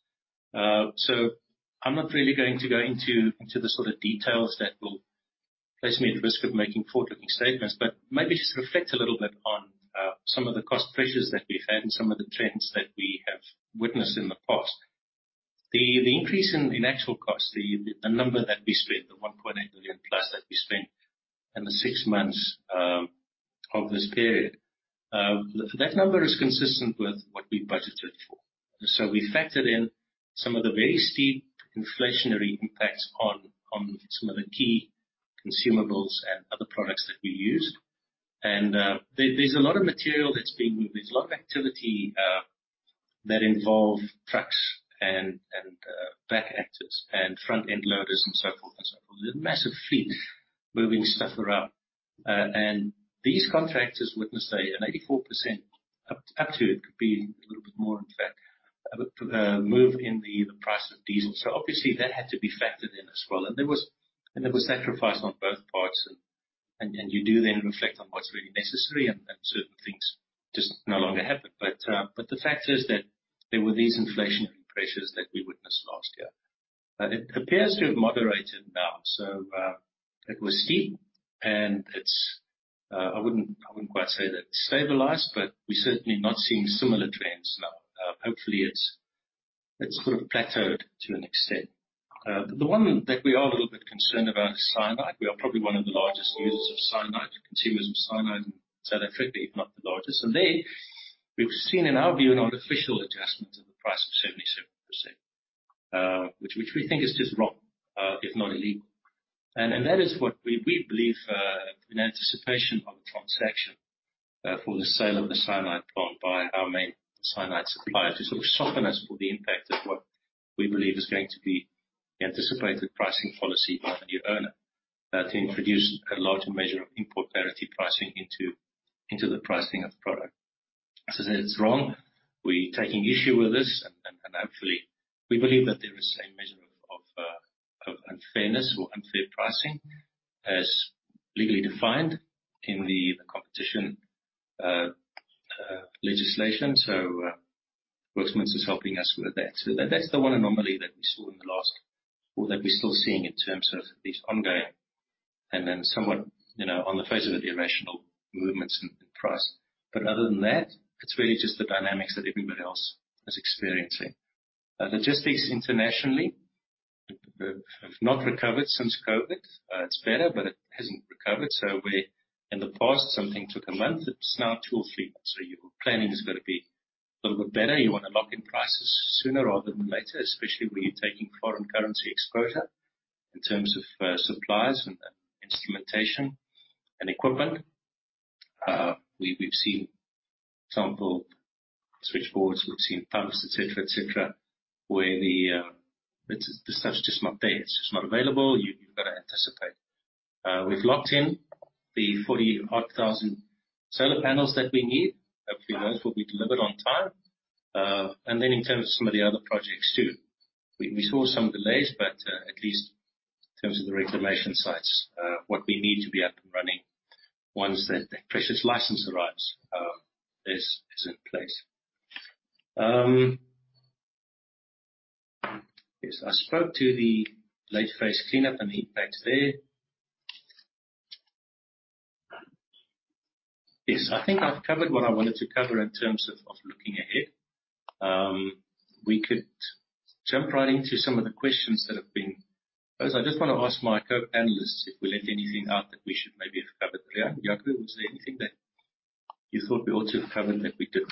I'm not really going to go into the sort of details that will place me at risk of making forward-looking statements, but maybe just reflect a little bit on some of the cost pressures that we've had and some of the trends that we have witnessed in the past. The increase in actual cost, the number that we spent, the 1.8 billion plus that we spent in the six months of this period, that number is consistent with what we budgeted for. We factored in some of the very steep inflationary impacts on some of the key consumables and other products that we use. There's a lot of material that's being moved. There's a lot of activity that involve trucks and back actors and front end loaders and so forth and so forth. There's a massive fleet moving stuff around. These contractors witnessed an 84% move in the price of diesel. Obviously that had to be factored in as well. There was sacrifice on both parts and you do then reflect on what's really necessary and certain things just no longer happen. The fact is that there were these inflationary pressures that we witnessed last year. It appears to have moderated now. It was steep and it's I wouldn't quite say that it's stabilized. We're certainly not seeing similar trends now. Hopefully it's sort of plateaued to an extent. The one that we are a little bit concerned about is cyanide. We are probably one of the largest users of cyanide, consumers of cyanide in South Africa, if not the largest. There we've seen, in our view, an artificial adjustment to the price of cyanide. Which, which we think is just wrong, if not illegal. That is what we believe, in anticipation of a transaction, for the sale of the cyanide plant by our main cyanide supplier to sort of soften us for the impact of what we believe is going to be the anticipated pricing policy by the new owner, to introduce a larger measure of import parity pricing into the pricing of the product. As I said, it's wrong. We're taking issue with this and hopefully we believe that there is a measure of unfairness or unfair pricing as legally defined in the competition legislation. Workmen's is helping us with that. That's the one anomaly that we saw in the last, or that we're still seeing in terms of these ongoing and somewhat, you know, on the face of it, irrational movements in price. Other than that, it's really just the dynamics that everybody else is experiencing. The logistics internationally have not recovered since COVID. It's better, but it hasn't recovered. Where in the past something took one month, it's now two or three months. Your planning has got to be a little bit better. You wanna lock in prices sooner rather than later, especially where you're taking foreign currency exposure in terms of suppliers and instrumentation and equipment. We've seen, for example, switchboards, we've seen pumps, et cetera, et cetera, where the stuff's just not there. It's just not available. You've got to anticipate. We've locked in the 40 odd thousand solar panels that we need. Hopefully, those will be delivered on time. Then in terms of some of the other projects too. We saw some delays, but at least in terms of the reclamation sites, what we need to be up and running once that precious license arrives, is in place. Yes, I spoke to the late phase cleanup and the impact there. Yes. I think I've covered what I wanted to cover in terms of looking ahead. We could jump right into some of the questions that have been posed. I just wanna ask my co-analysts if we left anything out that we should maybe have covered. Riaan, Jaco, was there anything that you thought we ought to have covered that we didn't?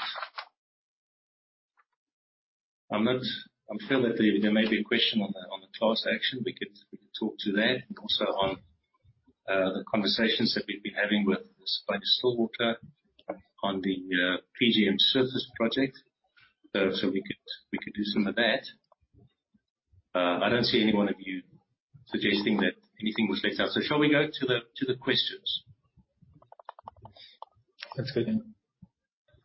I'm feeling that there may be a question on the class action. We could talk to that and also on the conversations that we've been having with Sibanye-Stillwater on the PGM surface project. So we could do some of that. I don't see any one of you suggesting that anything was left out. Shall we go to the questions?
Let's begin.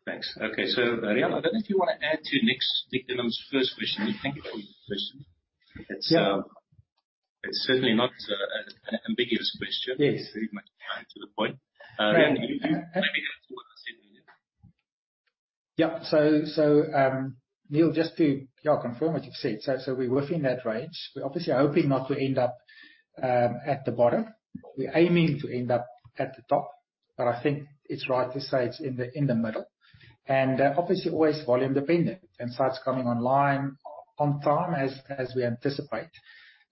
Thanks. Okay. Riaan, I don't know if you wanna add to Nic Durham's first question. Thank you for your question.
Yeah.
It's certainly not an ambiguous question.
Yes.
Very much to the point.
Yeah.
Maybe add to what I said earlier.
Niël, just to confirm what you've said. We're within that range. We're obviously hoping not to end up at the bottom. We're aiming to end up at the top, but I think it's right to say it's in the middle. Obviously always volume dependent and sites coming online on time as we anticipate.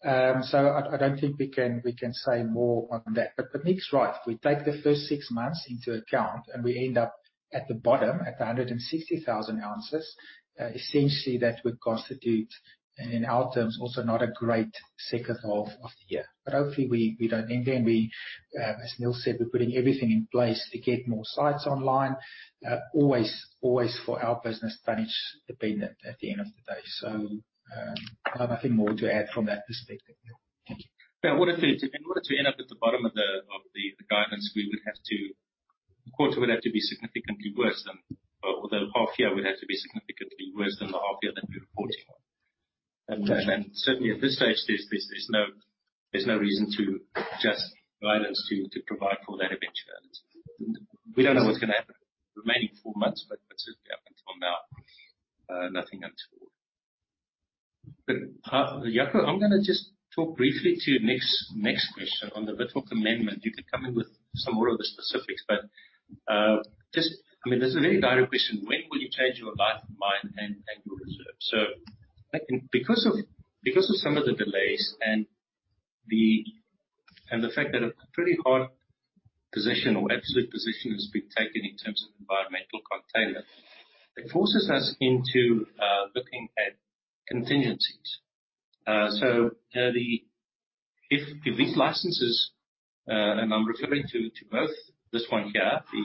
I don't think we can say more on that. Nick's right. If we take the first six months into account and we end up at the bottom at 160,000 ounces, essentially that would constitute and in our terms also not a great second half of the year. Hopefully we don't end there and we, as Niël said, we're putting everything in place to get more sites online. always for our business, tonnage dependent at the end of the day. I have nothing more to add from that perspective. Thank you.
In order to end up at the bottom of the guidance, of course, it would have to be significantly worse than. The half year would have to be significantly worse than the half year that we're reporting on.
Okay.
Certainly at this stage, there's no reason to adjust guidance to provide for that eventuality. We don't know what's going to happen remaining four months, what's certainly happened until now, nothing untoward. Jaco, I'm going to just talk briefly to Nick's next question on the Withok amendment. You can come in with some more of the specifics, I mean, this is a very direct question. When will you change your life of mine and your reserve? I think because of some of the delays and the fact that a pretty hard position or absolute position has been taken in terms of environmental containment, it forces us into looking at contingencies. If these licenses, and I'm referring to both this one here, the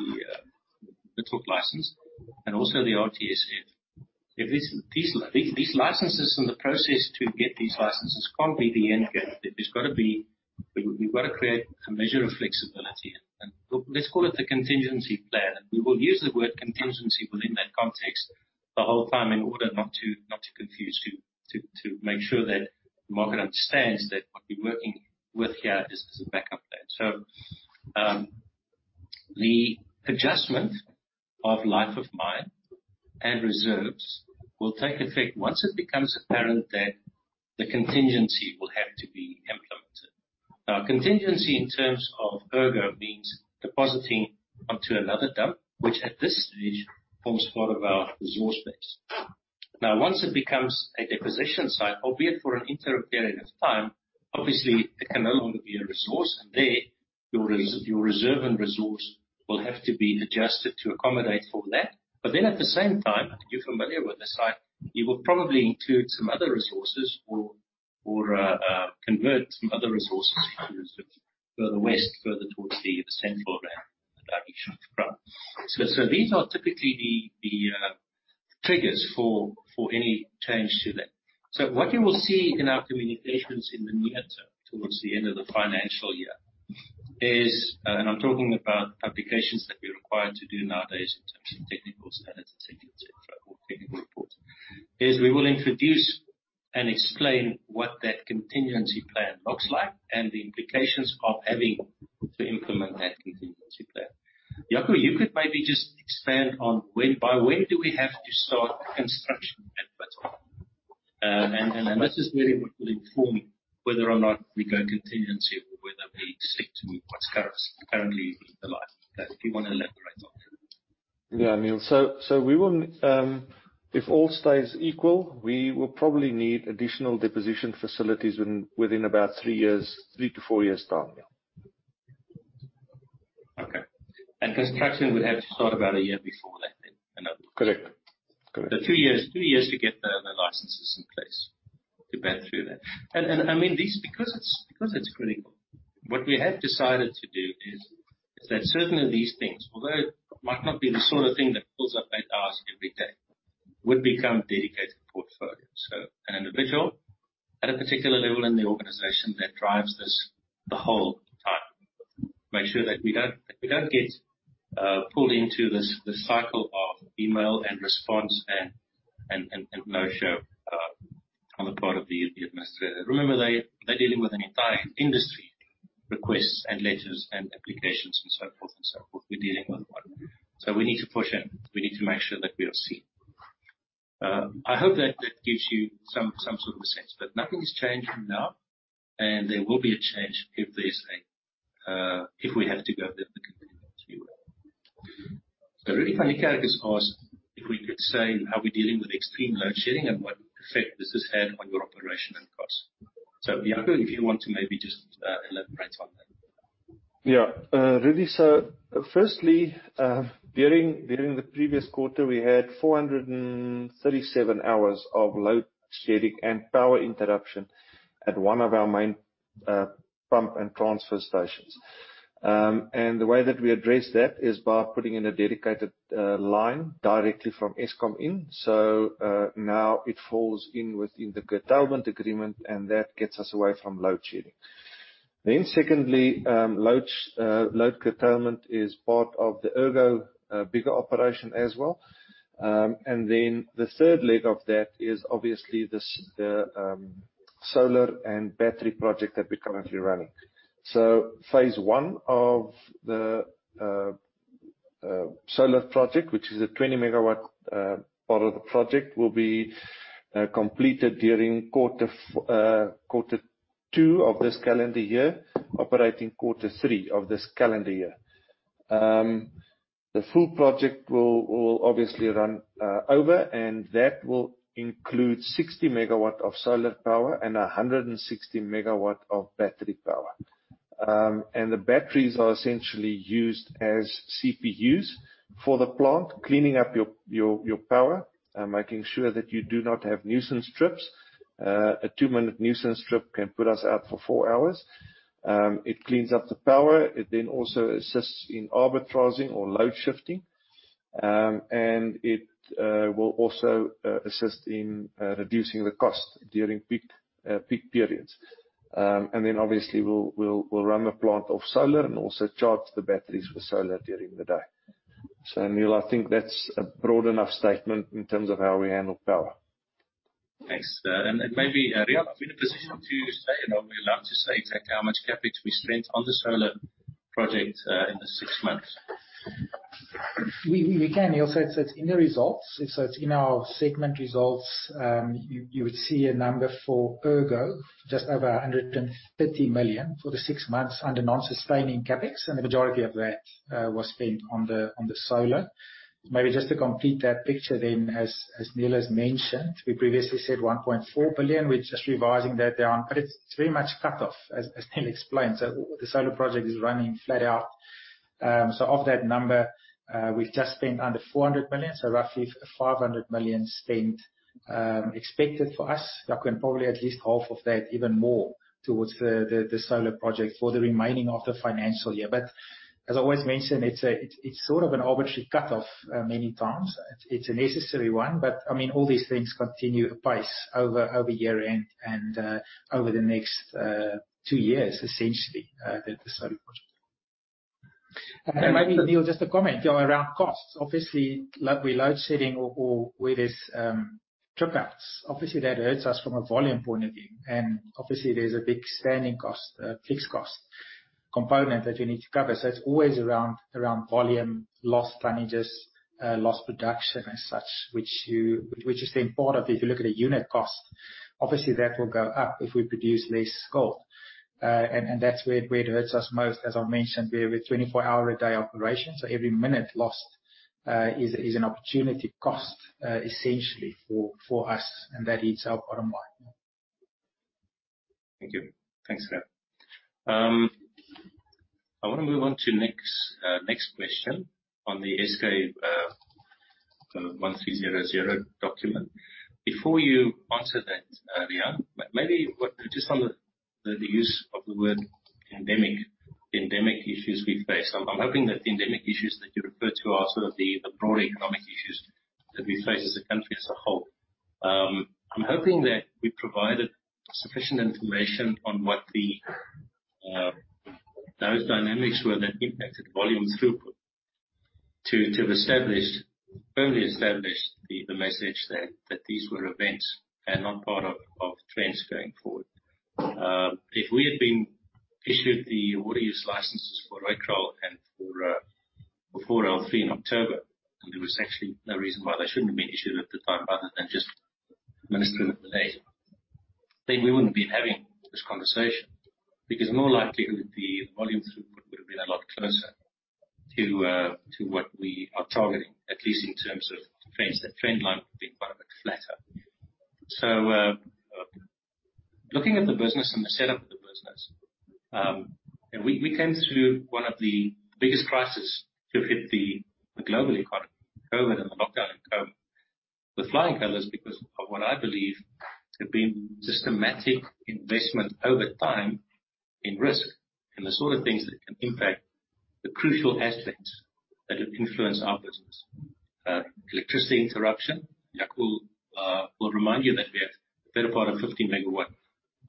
Withok license and also the RTSF. If these licenses in the process to get these licenses can't be the end game. We've gotta create a measure of flexibility and let's call it the contingency plan. We will use the word contingency within that context the whole time in order not to confuse you. To make sure that the market understands that what we're working with here is a backup plan. The adjustment of life of mine and reserves will take effect once it becomes apparent that the contingency will have to be implemented. Now, contingency in terms of Ergo means depositing onto another dump, which at this stage forms part of our resource base. Once it becomes a deposition site, albeit for an interim period of time, obviously it can no longer be a resource in there. Your reserve and resource will have to be adjusted to accommodate for that. At the same time, you're familiar with the site, you will probably include some other resources or convert some other resources further west, further towards the Central Rand in the direction of Grant. These are typically the triggers for any change to that. What you will see in our communications in the near term, towards the end of the financial year is, and I'm talking about applications that we're required to do nowadays in terms of technical standards, et cetera, et cetera, or technical reports, is we will introduce and explain what that contingency plan looks like and the implications of having to implement that contingency plan. Jaco, you could maybe just expand on by when do we have to start construction at Betanie. And this is very important for informing whether or not we go contingency or whether we stick to what's currently in the line. If you wanna elaborate on that.
Yeah, Niël. We will, if all stays equal, we will probably need additional deposition facilities within about three years, three to four years time now.
Okay. Construction would have to start about a year before that then? I know.
Correct. Correct.
The two years to get the licenses in place to bear through that. I mean, this, because it's critical, what we have decided to do is that certain of these things, although it might not be the sort of thing that pulls up late hours every day, would become dedicated portfolios. An individual at a particular level in the organization that drives this the whole time, make sure that we don't get pulled into this cycle of email and response and no-show on the part of the administrator. Remember, they're dealing with an entire industry, requests and letters and applications and so forth. We're dealing with one. We need to push in. We need to make sure that we are seen. I hope that gives you some sort of a sense, but nothing is changing now, and there will be a change if we have to go the contingency way. Rudy van.
Yeah. Rudy, firstly, during the previous quarter, we had 437 hours of load shedding and power interruption at one of our main pump and transfer stations. The way that we address that is by putting in a dedicated line directly from Eskom in. Now it falls in within the curtailment agreement, and that gets us away from load shedding. Secondly, load curtailment is part of the Ergo bigger operation as well. The third leg of that is obviously this, the solar and battery project that we're currently running. So phase I of the solar project, which is a 20 MW part of the project, will be completed during quarter two of this calendar year, operating quarter three of this calendar year. The full project will obviously run over, and that will include 60 MW of solar power and 160 MW of battery power. The batteries are essentially used as UPS for the plant, cleaning up your power and making sure that you do not have nuisance trips. A two minute nuisance trip can put us out for four hours. It cleans up the power. It also assists in arbitraging or load shifting. It will also assist in reducing the cost during peak periods. Obviously, we'll run the plant off solar and also charge the batteries with solar during the day. Niël, I think that's a broad enough statement in terms of how we handle power.
Thanks. Maybe, Riaan, I'm in a position to say, you know, are we allowed to say exactly how much CapEx we spent on the solar project, in the six months?
We can, Niël. It's in the results. It's in our segment results. You would see a number for Ergo just over 150 million for the six months under non-sustaining CapEx, and the majority of that was spent on the solar. Maybe just to complete that picture then, as Niël has mentioned, we previously said 1.4 billion. We're just revising that down, but it's very much cut off, as Niël explained. The solar project is running flat out. Of that number, we've just spent under 400 million, roughly 500 million spent, expected for us. I can probably at least half of that even more towards the solar project for the remaining of the financial year. As I always mention, it's sort of an arbitrary cutoff many times. It's a necessary one, but I mean, all these things continue apace over year-end and over the next two years essentially with the solar project. Maybe, Niël, just to comment around costs. Obviously, load shedding or where there's trip outs, obviously that hurts us from a volume point of view. And obviously there's a big standing cost fixed cost component that you need to cover. It's always around volume, lost tonnages, lost production and such, which is then part of if you look at a unit cost, obviously that will go up if we produce less gold. And that's where it hurts us most. As I mentioned, we have a 24-hour a day operation. Every minute lost, is an opportunity cost, essentially for us, and that eats our bottom line.
Thank you. Thanks for that. I wanna move on to next question on the S-K 1300 document. Before you answer that, Riaan, maybe what just on the use of the word endemic issues we face. I'm hoping that the endemic issues that you refer to are sort of the broader economic issues that we face as a country as a whole. I'm hoping that we provided sufficient information on what those dynamics were that impacted volume throughput to have established, firmly established the message that these were events and not part of trends going forward. If we had been issued the Water Use Licences for Rooikraal and for 4L3 in October, there was actually no reason why they shouldn't have been issued at the time other than just administrative delay, then we wouldn't be having this conversation. More likely the volume throughput would've been a lot closer to what we are targeting, at least in terms of trends. That trend line would have been quite a bit flatter. Looking at the business and the setup of the business, and we came through one of the biggest crisis to hit the global economy, COVID and the lockdown in COVID, with flying colors because of what I believe to have been systematic investment over time in risk and the sort of things that can impact the crucial aspects that have influenced our business. Electricity interruption. Jaco will remind you that we have a better part of 15 MW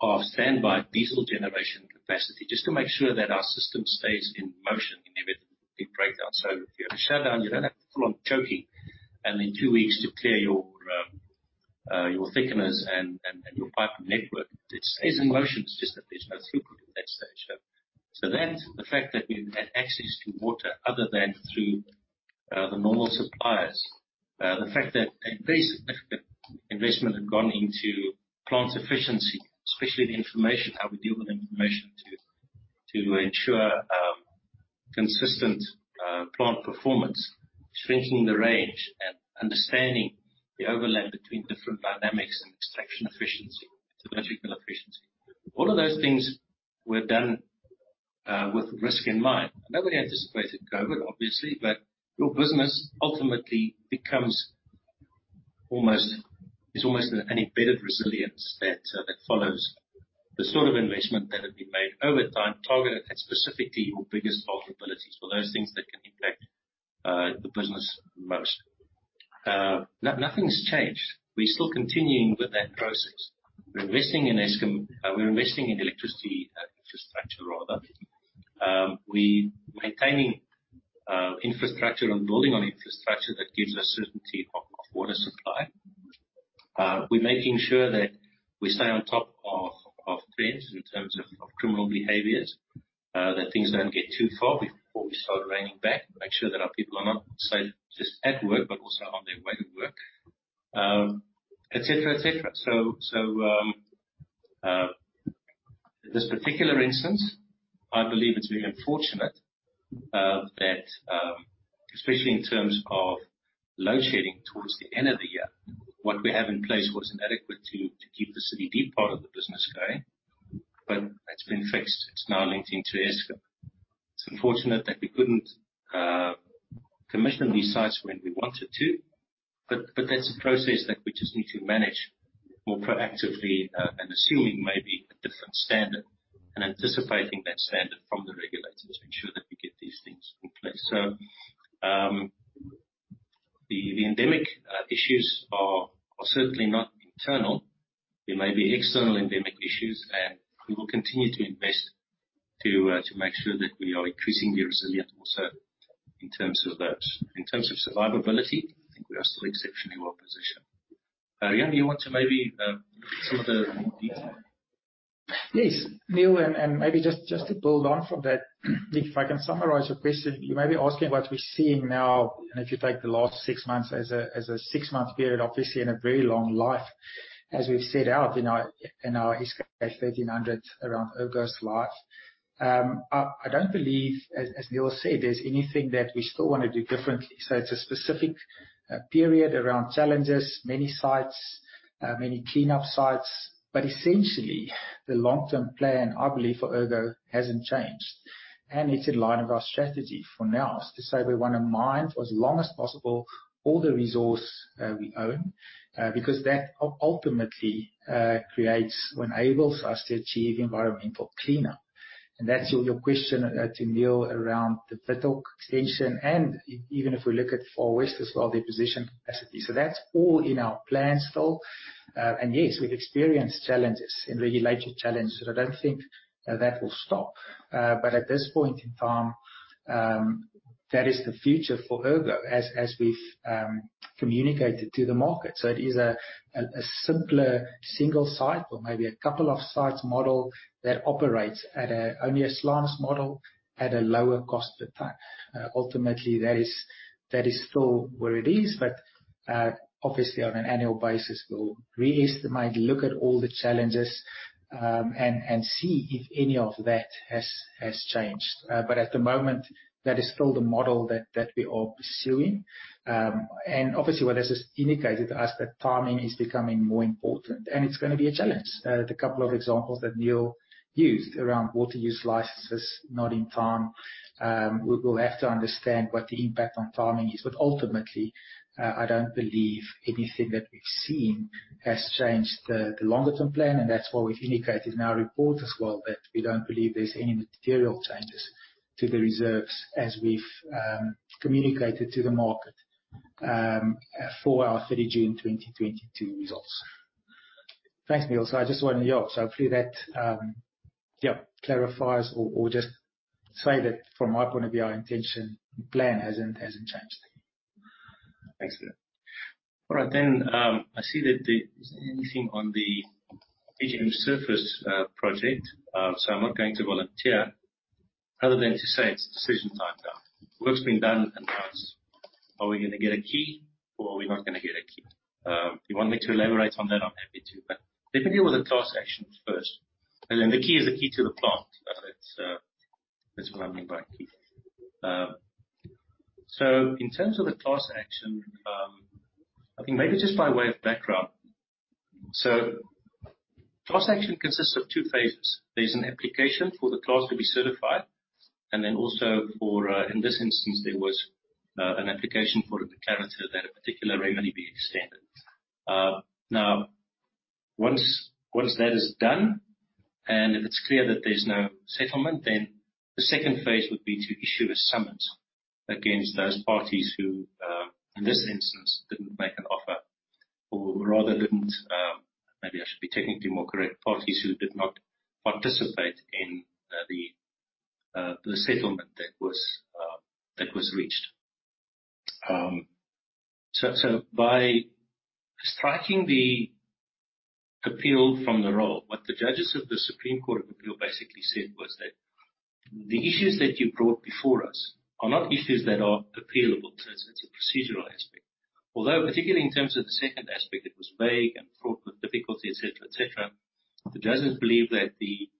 of standby diesel generation capacity just to make sure that our system stays in motion inevitably in breakdown. If you have a shutdown, you don't have to full on choking and then two weeks to clear your thickeners and your pipe network. It stays in motion, it's just that there's no throughput at that stage. That's the fact that we've had access to water other than through the normal suppliers. The fact that a very significant investment had gone into plant efficiency, especially the information, how we deal with information to ensure consistent plant performance, shrinking the range and understanding the overlap between different dynamics and extraction efficiency, metallurgical efficiency. All of those things were done with risk in mind. Nobody anticipated COVID, obviously, your business ultimately becomes almost. It's almost an embedded resilience that follows the sort of investment that had been made over time, targeted at specifically your biggest vulnerabilities or those things that can impact the business most. Nothing's changed. We're still continuing with that process. We're investing in Eskom. We're investing in electricity infrastructure rather. We maintaining infrastructure and building on infrastructure that gives us certainty of water supply. We're making sure that we stay on top of trends in terms of criminal behaviors that things don't get too far before we start reining back. Make sure that our people are not safe just at work, but also on their way to work. Et cetera, et cetera. So, so, um, uh, this particular instance, I believe it's very unfortunate, uh, that, um, especially in terms of load shedding towards the end of the year, what we have in place was inadequate to, to keep the city deep part of the business going. But that's been fixed. It's now linked into Eskom. It's unfortunate that we couldn't, uh, commission these sites when we wanted to, but, but that's a process that we just need to manage more proactively, uh, and assuming maybe a different standard and anticipating that standard from the regulators to ensure that we get these things in place. So, um, the, the endemic, uh, issues are, are certainly not internal. There may be external endemic issues, and we will continue to invest to, uh, to make sure that we are increasingly resilient also in terms of those. In terms of survivability, I think we are still exceptionally well positioned. Riaan, do you want to maybe give some of the more detail?
Yes, Niël. Maybe just to build on from that, if I can summarize your question. You may be asking what we're seeing now, and if you take the last 6 months as a 6-month period, obviously in a very long life, as we've set out in our S-K 1300 around Ergo's life. I don't believe, as Niël said, there's anything that we still wanna do differently. It's a specific period around challenges, many sites, many cleanup sites, but essentially the long-term plan, I believe, for Ergo hasn't changed. It's in line with our strategy for now, is to say we wanna mine for as long as possible all the resource we own, because that ultimately creates what enables us to achieve environmental cleanup. That's your question to Niël around the Withok extension and even if we look at Far West as well, their position capacity. That's all in our plans still. And yes, we've experienced challenges and regulatory challenges, I don't think that will stop. At this point in time, that is the future for Ergo as we've communicated to the market. It is a simpler single site or maybe a couple of sites model that operates at only a slimes model at a lower cost per ton. Ultimately, that is still where it is, obviously on an annual basis we'll re-estimate, look at all the challenges and see if any of that has changed. At the moment, that is still the model we are pursuing. Obviously, what this has indicated to us that timing is becoming more important, and it's going to be a challenge. The couple of examples that Niël used around Water Use Licences not in time. We will have to understand what the impact on timing is. Ultimately, I don't believe anything that we've seen has changed the longer-term plan, and that's what we've indicated in our report as well, that we don't believe there's any material changes to the reserves as we've communicated to the market for our 30 June 2022 results. Thanks, Niël. Hopefully that clarifies or just say that from my point of view, our intention and plan hasn't changed.
Thanks, Phil. All right, I see that there isn't anything on the PGM surface project, so I'm not going to volunteer other than to say it's decision time now. Work's been done, and now it's are we gonna get a key or are we not gonna get a key? If you want me to elaborate on that, I'm happy to. Let me deal with the class actions first. The key is the key to the plant. That's what I mean by key. In terms of the class action, I think maybe just by way of background. Class action consists of two phases. There's an application for the class to be certified, and then also for, in this instance, there was an application for a declarator that a particular remedy be extended. Now once that is done, and if it's clear that there's no settlement, then the second phase would be to issue a summons against those parties who, in this instance, didn't make an offer or rather didn't, maybe I should be technically more correct, parties who did not participate in the settlement that was reached. So by striking the appeal from the roll, what the judges of the Supreme Court of Appeal basically said was that, "The issues that you brought before us are not issues that are appealable." It's, it's a procedural aspect. Although, particularly in terms of the second aspect, it was vague and fraught with difficulty, et cetera, et cetera. The judges believe that the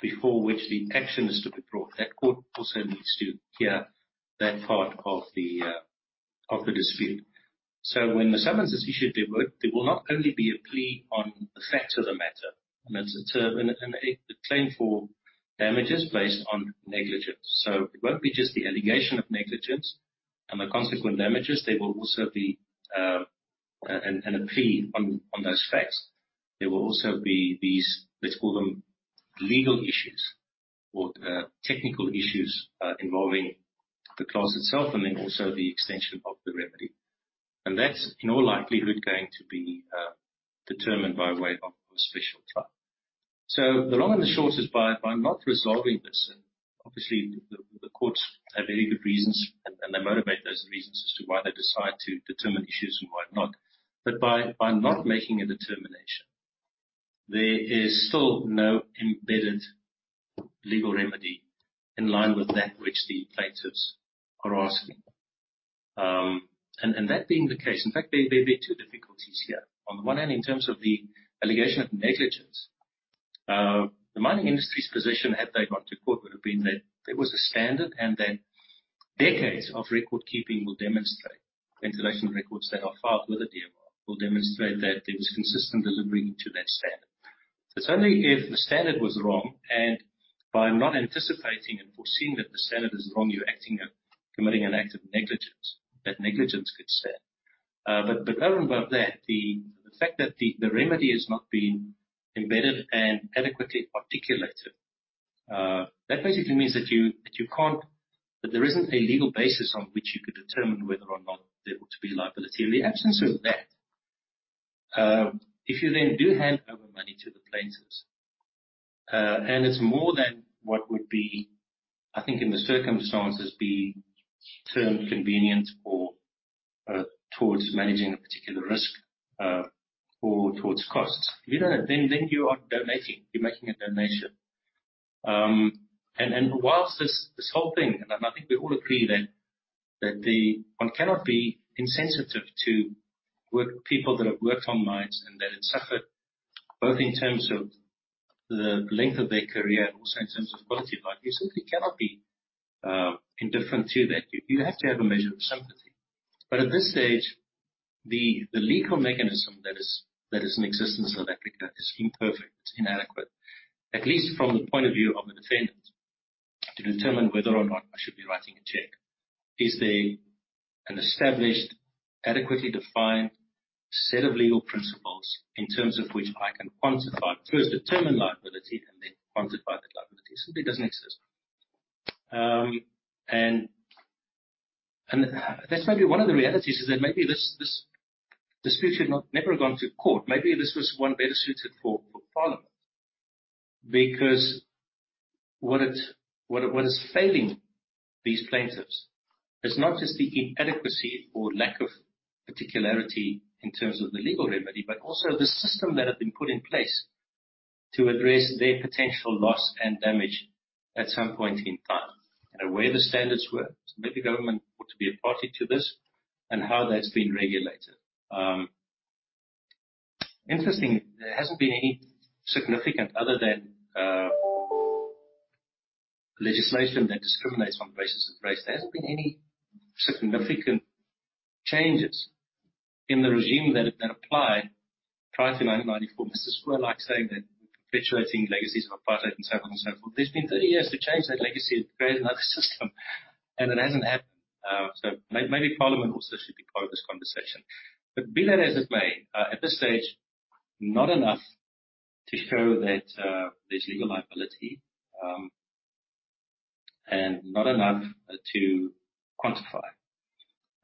court before which the action is to be brought, that court also needs to hear that part of the dispute. When the summons is issued, there will not only be a plea on the facts of the matter, and it's a term and the claim for damages based on negligence. It won't be just the allegation of negligence and the consequent damages. There will also be a plea on those facts. There will also be these, let's call them legal issues or technical issues involving the clause itself and then also the extension of the remedy. That's in all likelihood going to be determined by way of a special trial. The long and the short is by not resolving this, and obviously the courts have very good reasons and they motivate those reasons as to why they decide to determine issues and why not. By not making a determination, there is still no embedded legal remedy in line with that which the plaintiffs are asking. That being the case, in fact, there'd be two difficulties here. On the one hand, in terms of the allegation of negligence, the mining industry's position had they gone to court would have been that there was a standard and that decades of record keeping will demonstrate. Ventilation records that are filed with the DMR will demonstrate that there was consistent delivery to that standard. It's only if the standard was wrong and by not anticipating and foreseeing that the standard is wrong, you're acting, committing an act of negligence. That negligence gets there. Going above that, the fact that the remedy has not been embedded and adequately articulated, that basically means that you can't. That there isn't a legal basis on which you could determine whether or not there were to be liability. In the absence of that, if you then do hand over money to the plaintiffs, and it's more than what would be, I think in the circumstances be termed convenient or towards managing a particular risk, or towards costs. You know, then you are donating. You're making a donation. Whilst this whole thing, I think we all agree that the one cannot be insensitive to people that have worked on mines and that have suffered both in terms of the length of their career and also in terms of quality of life. You simply cannot be indifferent to that. You have to have a measure of sympathy. At this stage, the legal mechanism that is in existence in South Africa is imperfect. It's inadequate, at least from the point of view of the defendant, to determine whether or not I should be writing a check. Is there an established, adequately defined set of legal principles in terms of which I can quantify, first determine liability and then quantify that liability? Simply doesn't exist. That's maybe one of the realities, is that maybe this dispute should never have gone to court. Maybe this was one better suited for parliament. What is failing these plaintiffs is not just the inadequacy or lack of particularity in terms of the legal remedy, but also the system that had been put in place. To address their potential loss and damage at some point in time, and where the standards were, maybe government ought to be a party to this and how that's been regulated. Interestingly, there hasn't been any significant other than legislation that discriminates on the basis of race. There hasn't been any significant changes in the regime that applied prior to 1994. Mr. Zwelakhe likes saying that we're perpetuating legacies of apartheid and so on and so forth. There's been 30-years to change that legacy and create another system, and it hasn't happened. Maybe Parliament also should be part of this conversation. Be that as it may, at this stage, not enough to show that there's legal liability, and not enough to quantify.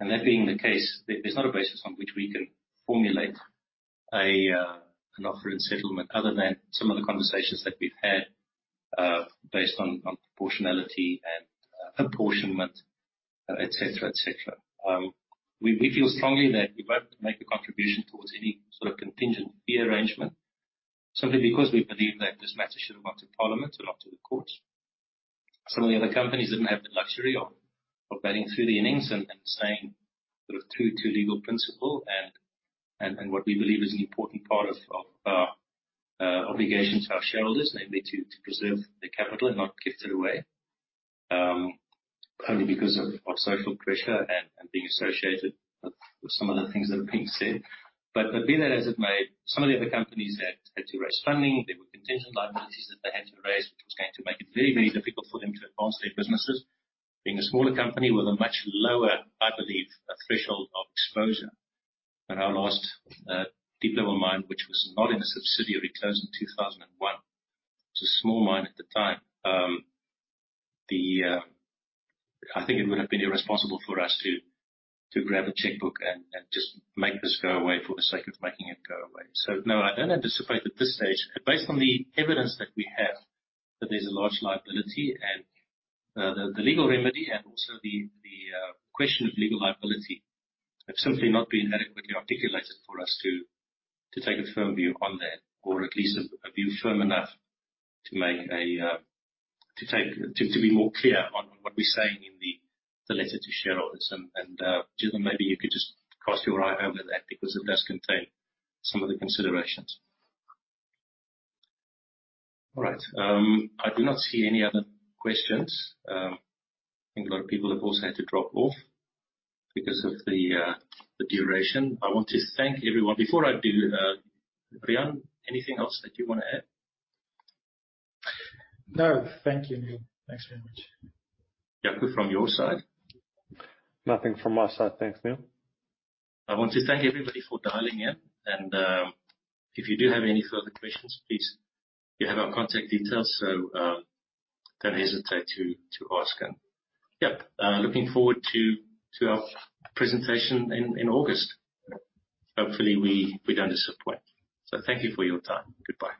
That being the case, there's not a basis on which we can formulate an offer in settlement other than some of the conversations that we've had, based on proportionality and apportionment, et cetera, et cetera. We feel strongly that we won't make a contribution towards any sort of contingent fee arrangement simply because we believe that this matter should have gone to Parliament and not to the courts. Some of the other companies didn't have the luxury of batting through the innings and saying sort of true to legal principle and what we believe is an important part of our obligation to our shareholders, namely to preserve the capital and not gift it away, only because of social pressure and being associated with some of the things that are being said. Be that as it may, some of the other companies had to raise funding. There were contingent liabilities that they had to raise, which was going to make it very, very difficult for them to advance their businesses. Being a smaller company with a much lower, I believe, threshold of exposure. Our last deep level mine, which was not in a subsidiary, closed in 2001. It was a small mine at the time. I think it would have been irresponsible for us to grab a checkbook and just make this go away for the sake of making it go away. No, I don't anticipate at this stage, based on the evidence that we have, that there's a large liability and the legal remedy and also the question of legal liability have simply not been adequately articulated for us to take a firm view on that, or at least a view firm enough to make a to be more clear on what we're saying in the letter to shareholders. Judith, maybe you could just cast your eye over that because it does contain some of the considerations. All right. I do not see any other questions. I think a lot of people have also had to drop off because of the duration. I want to thank everyone. Before I do, Riaan, anything else that you wanna add?
No. Thank you, Niël. Thanks very much.
Jaco, from your side?
Nothing from my side. Thanks, Niël.
I want to thank everybody for dialing in and, if you do have any further questions, please, you have our contact details, so don't hesitate to ask. Yep, looking forward to our presentation in August. Hopefully we don't disappoint. Thank you for your time. Goodbye.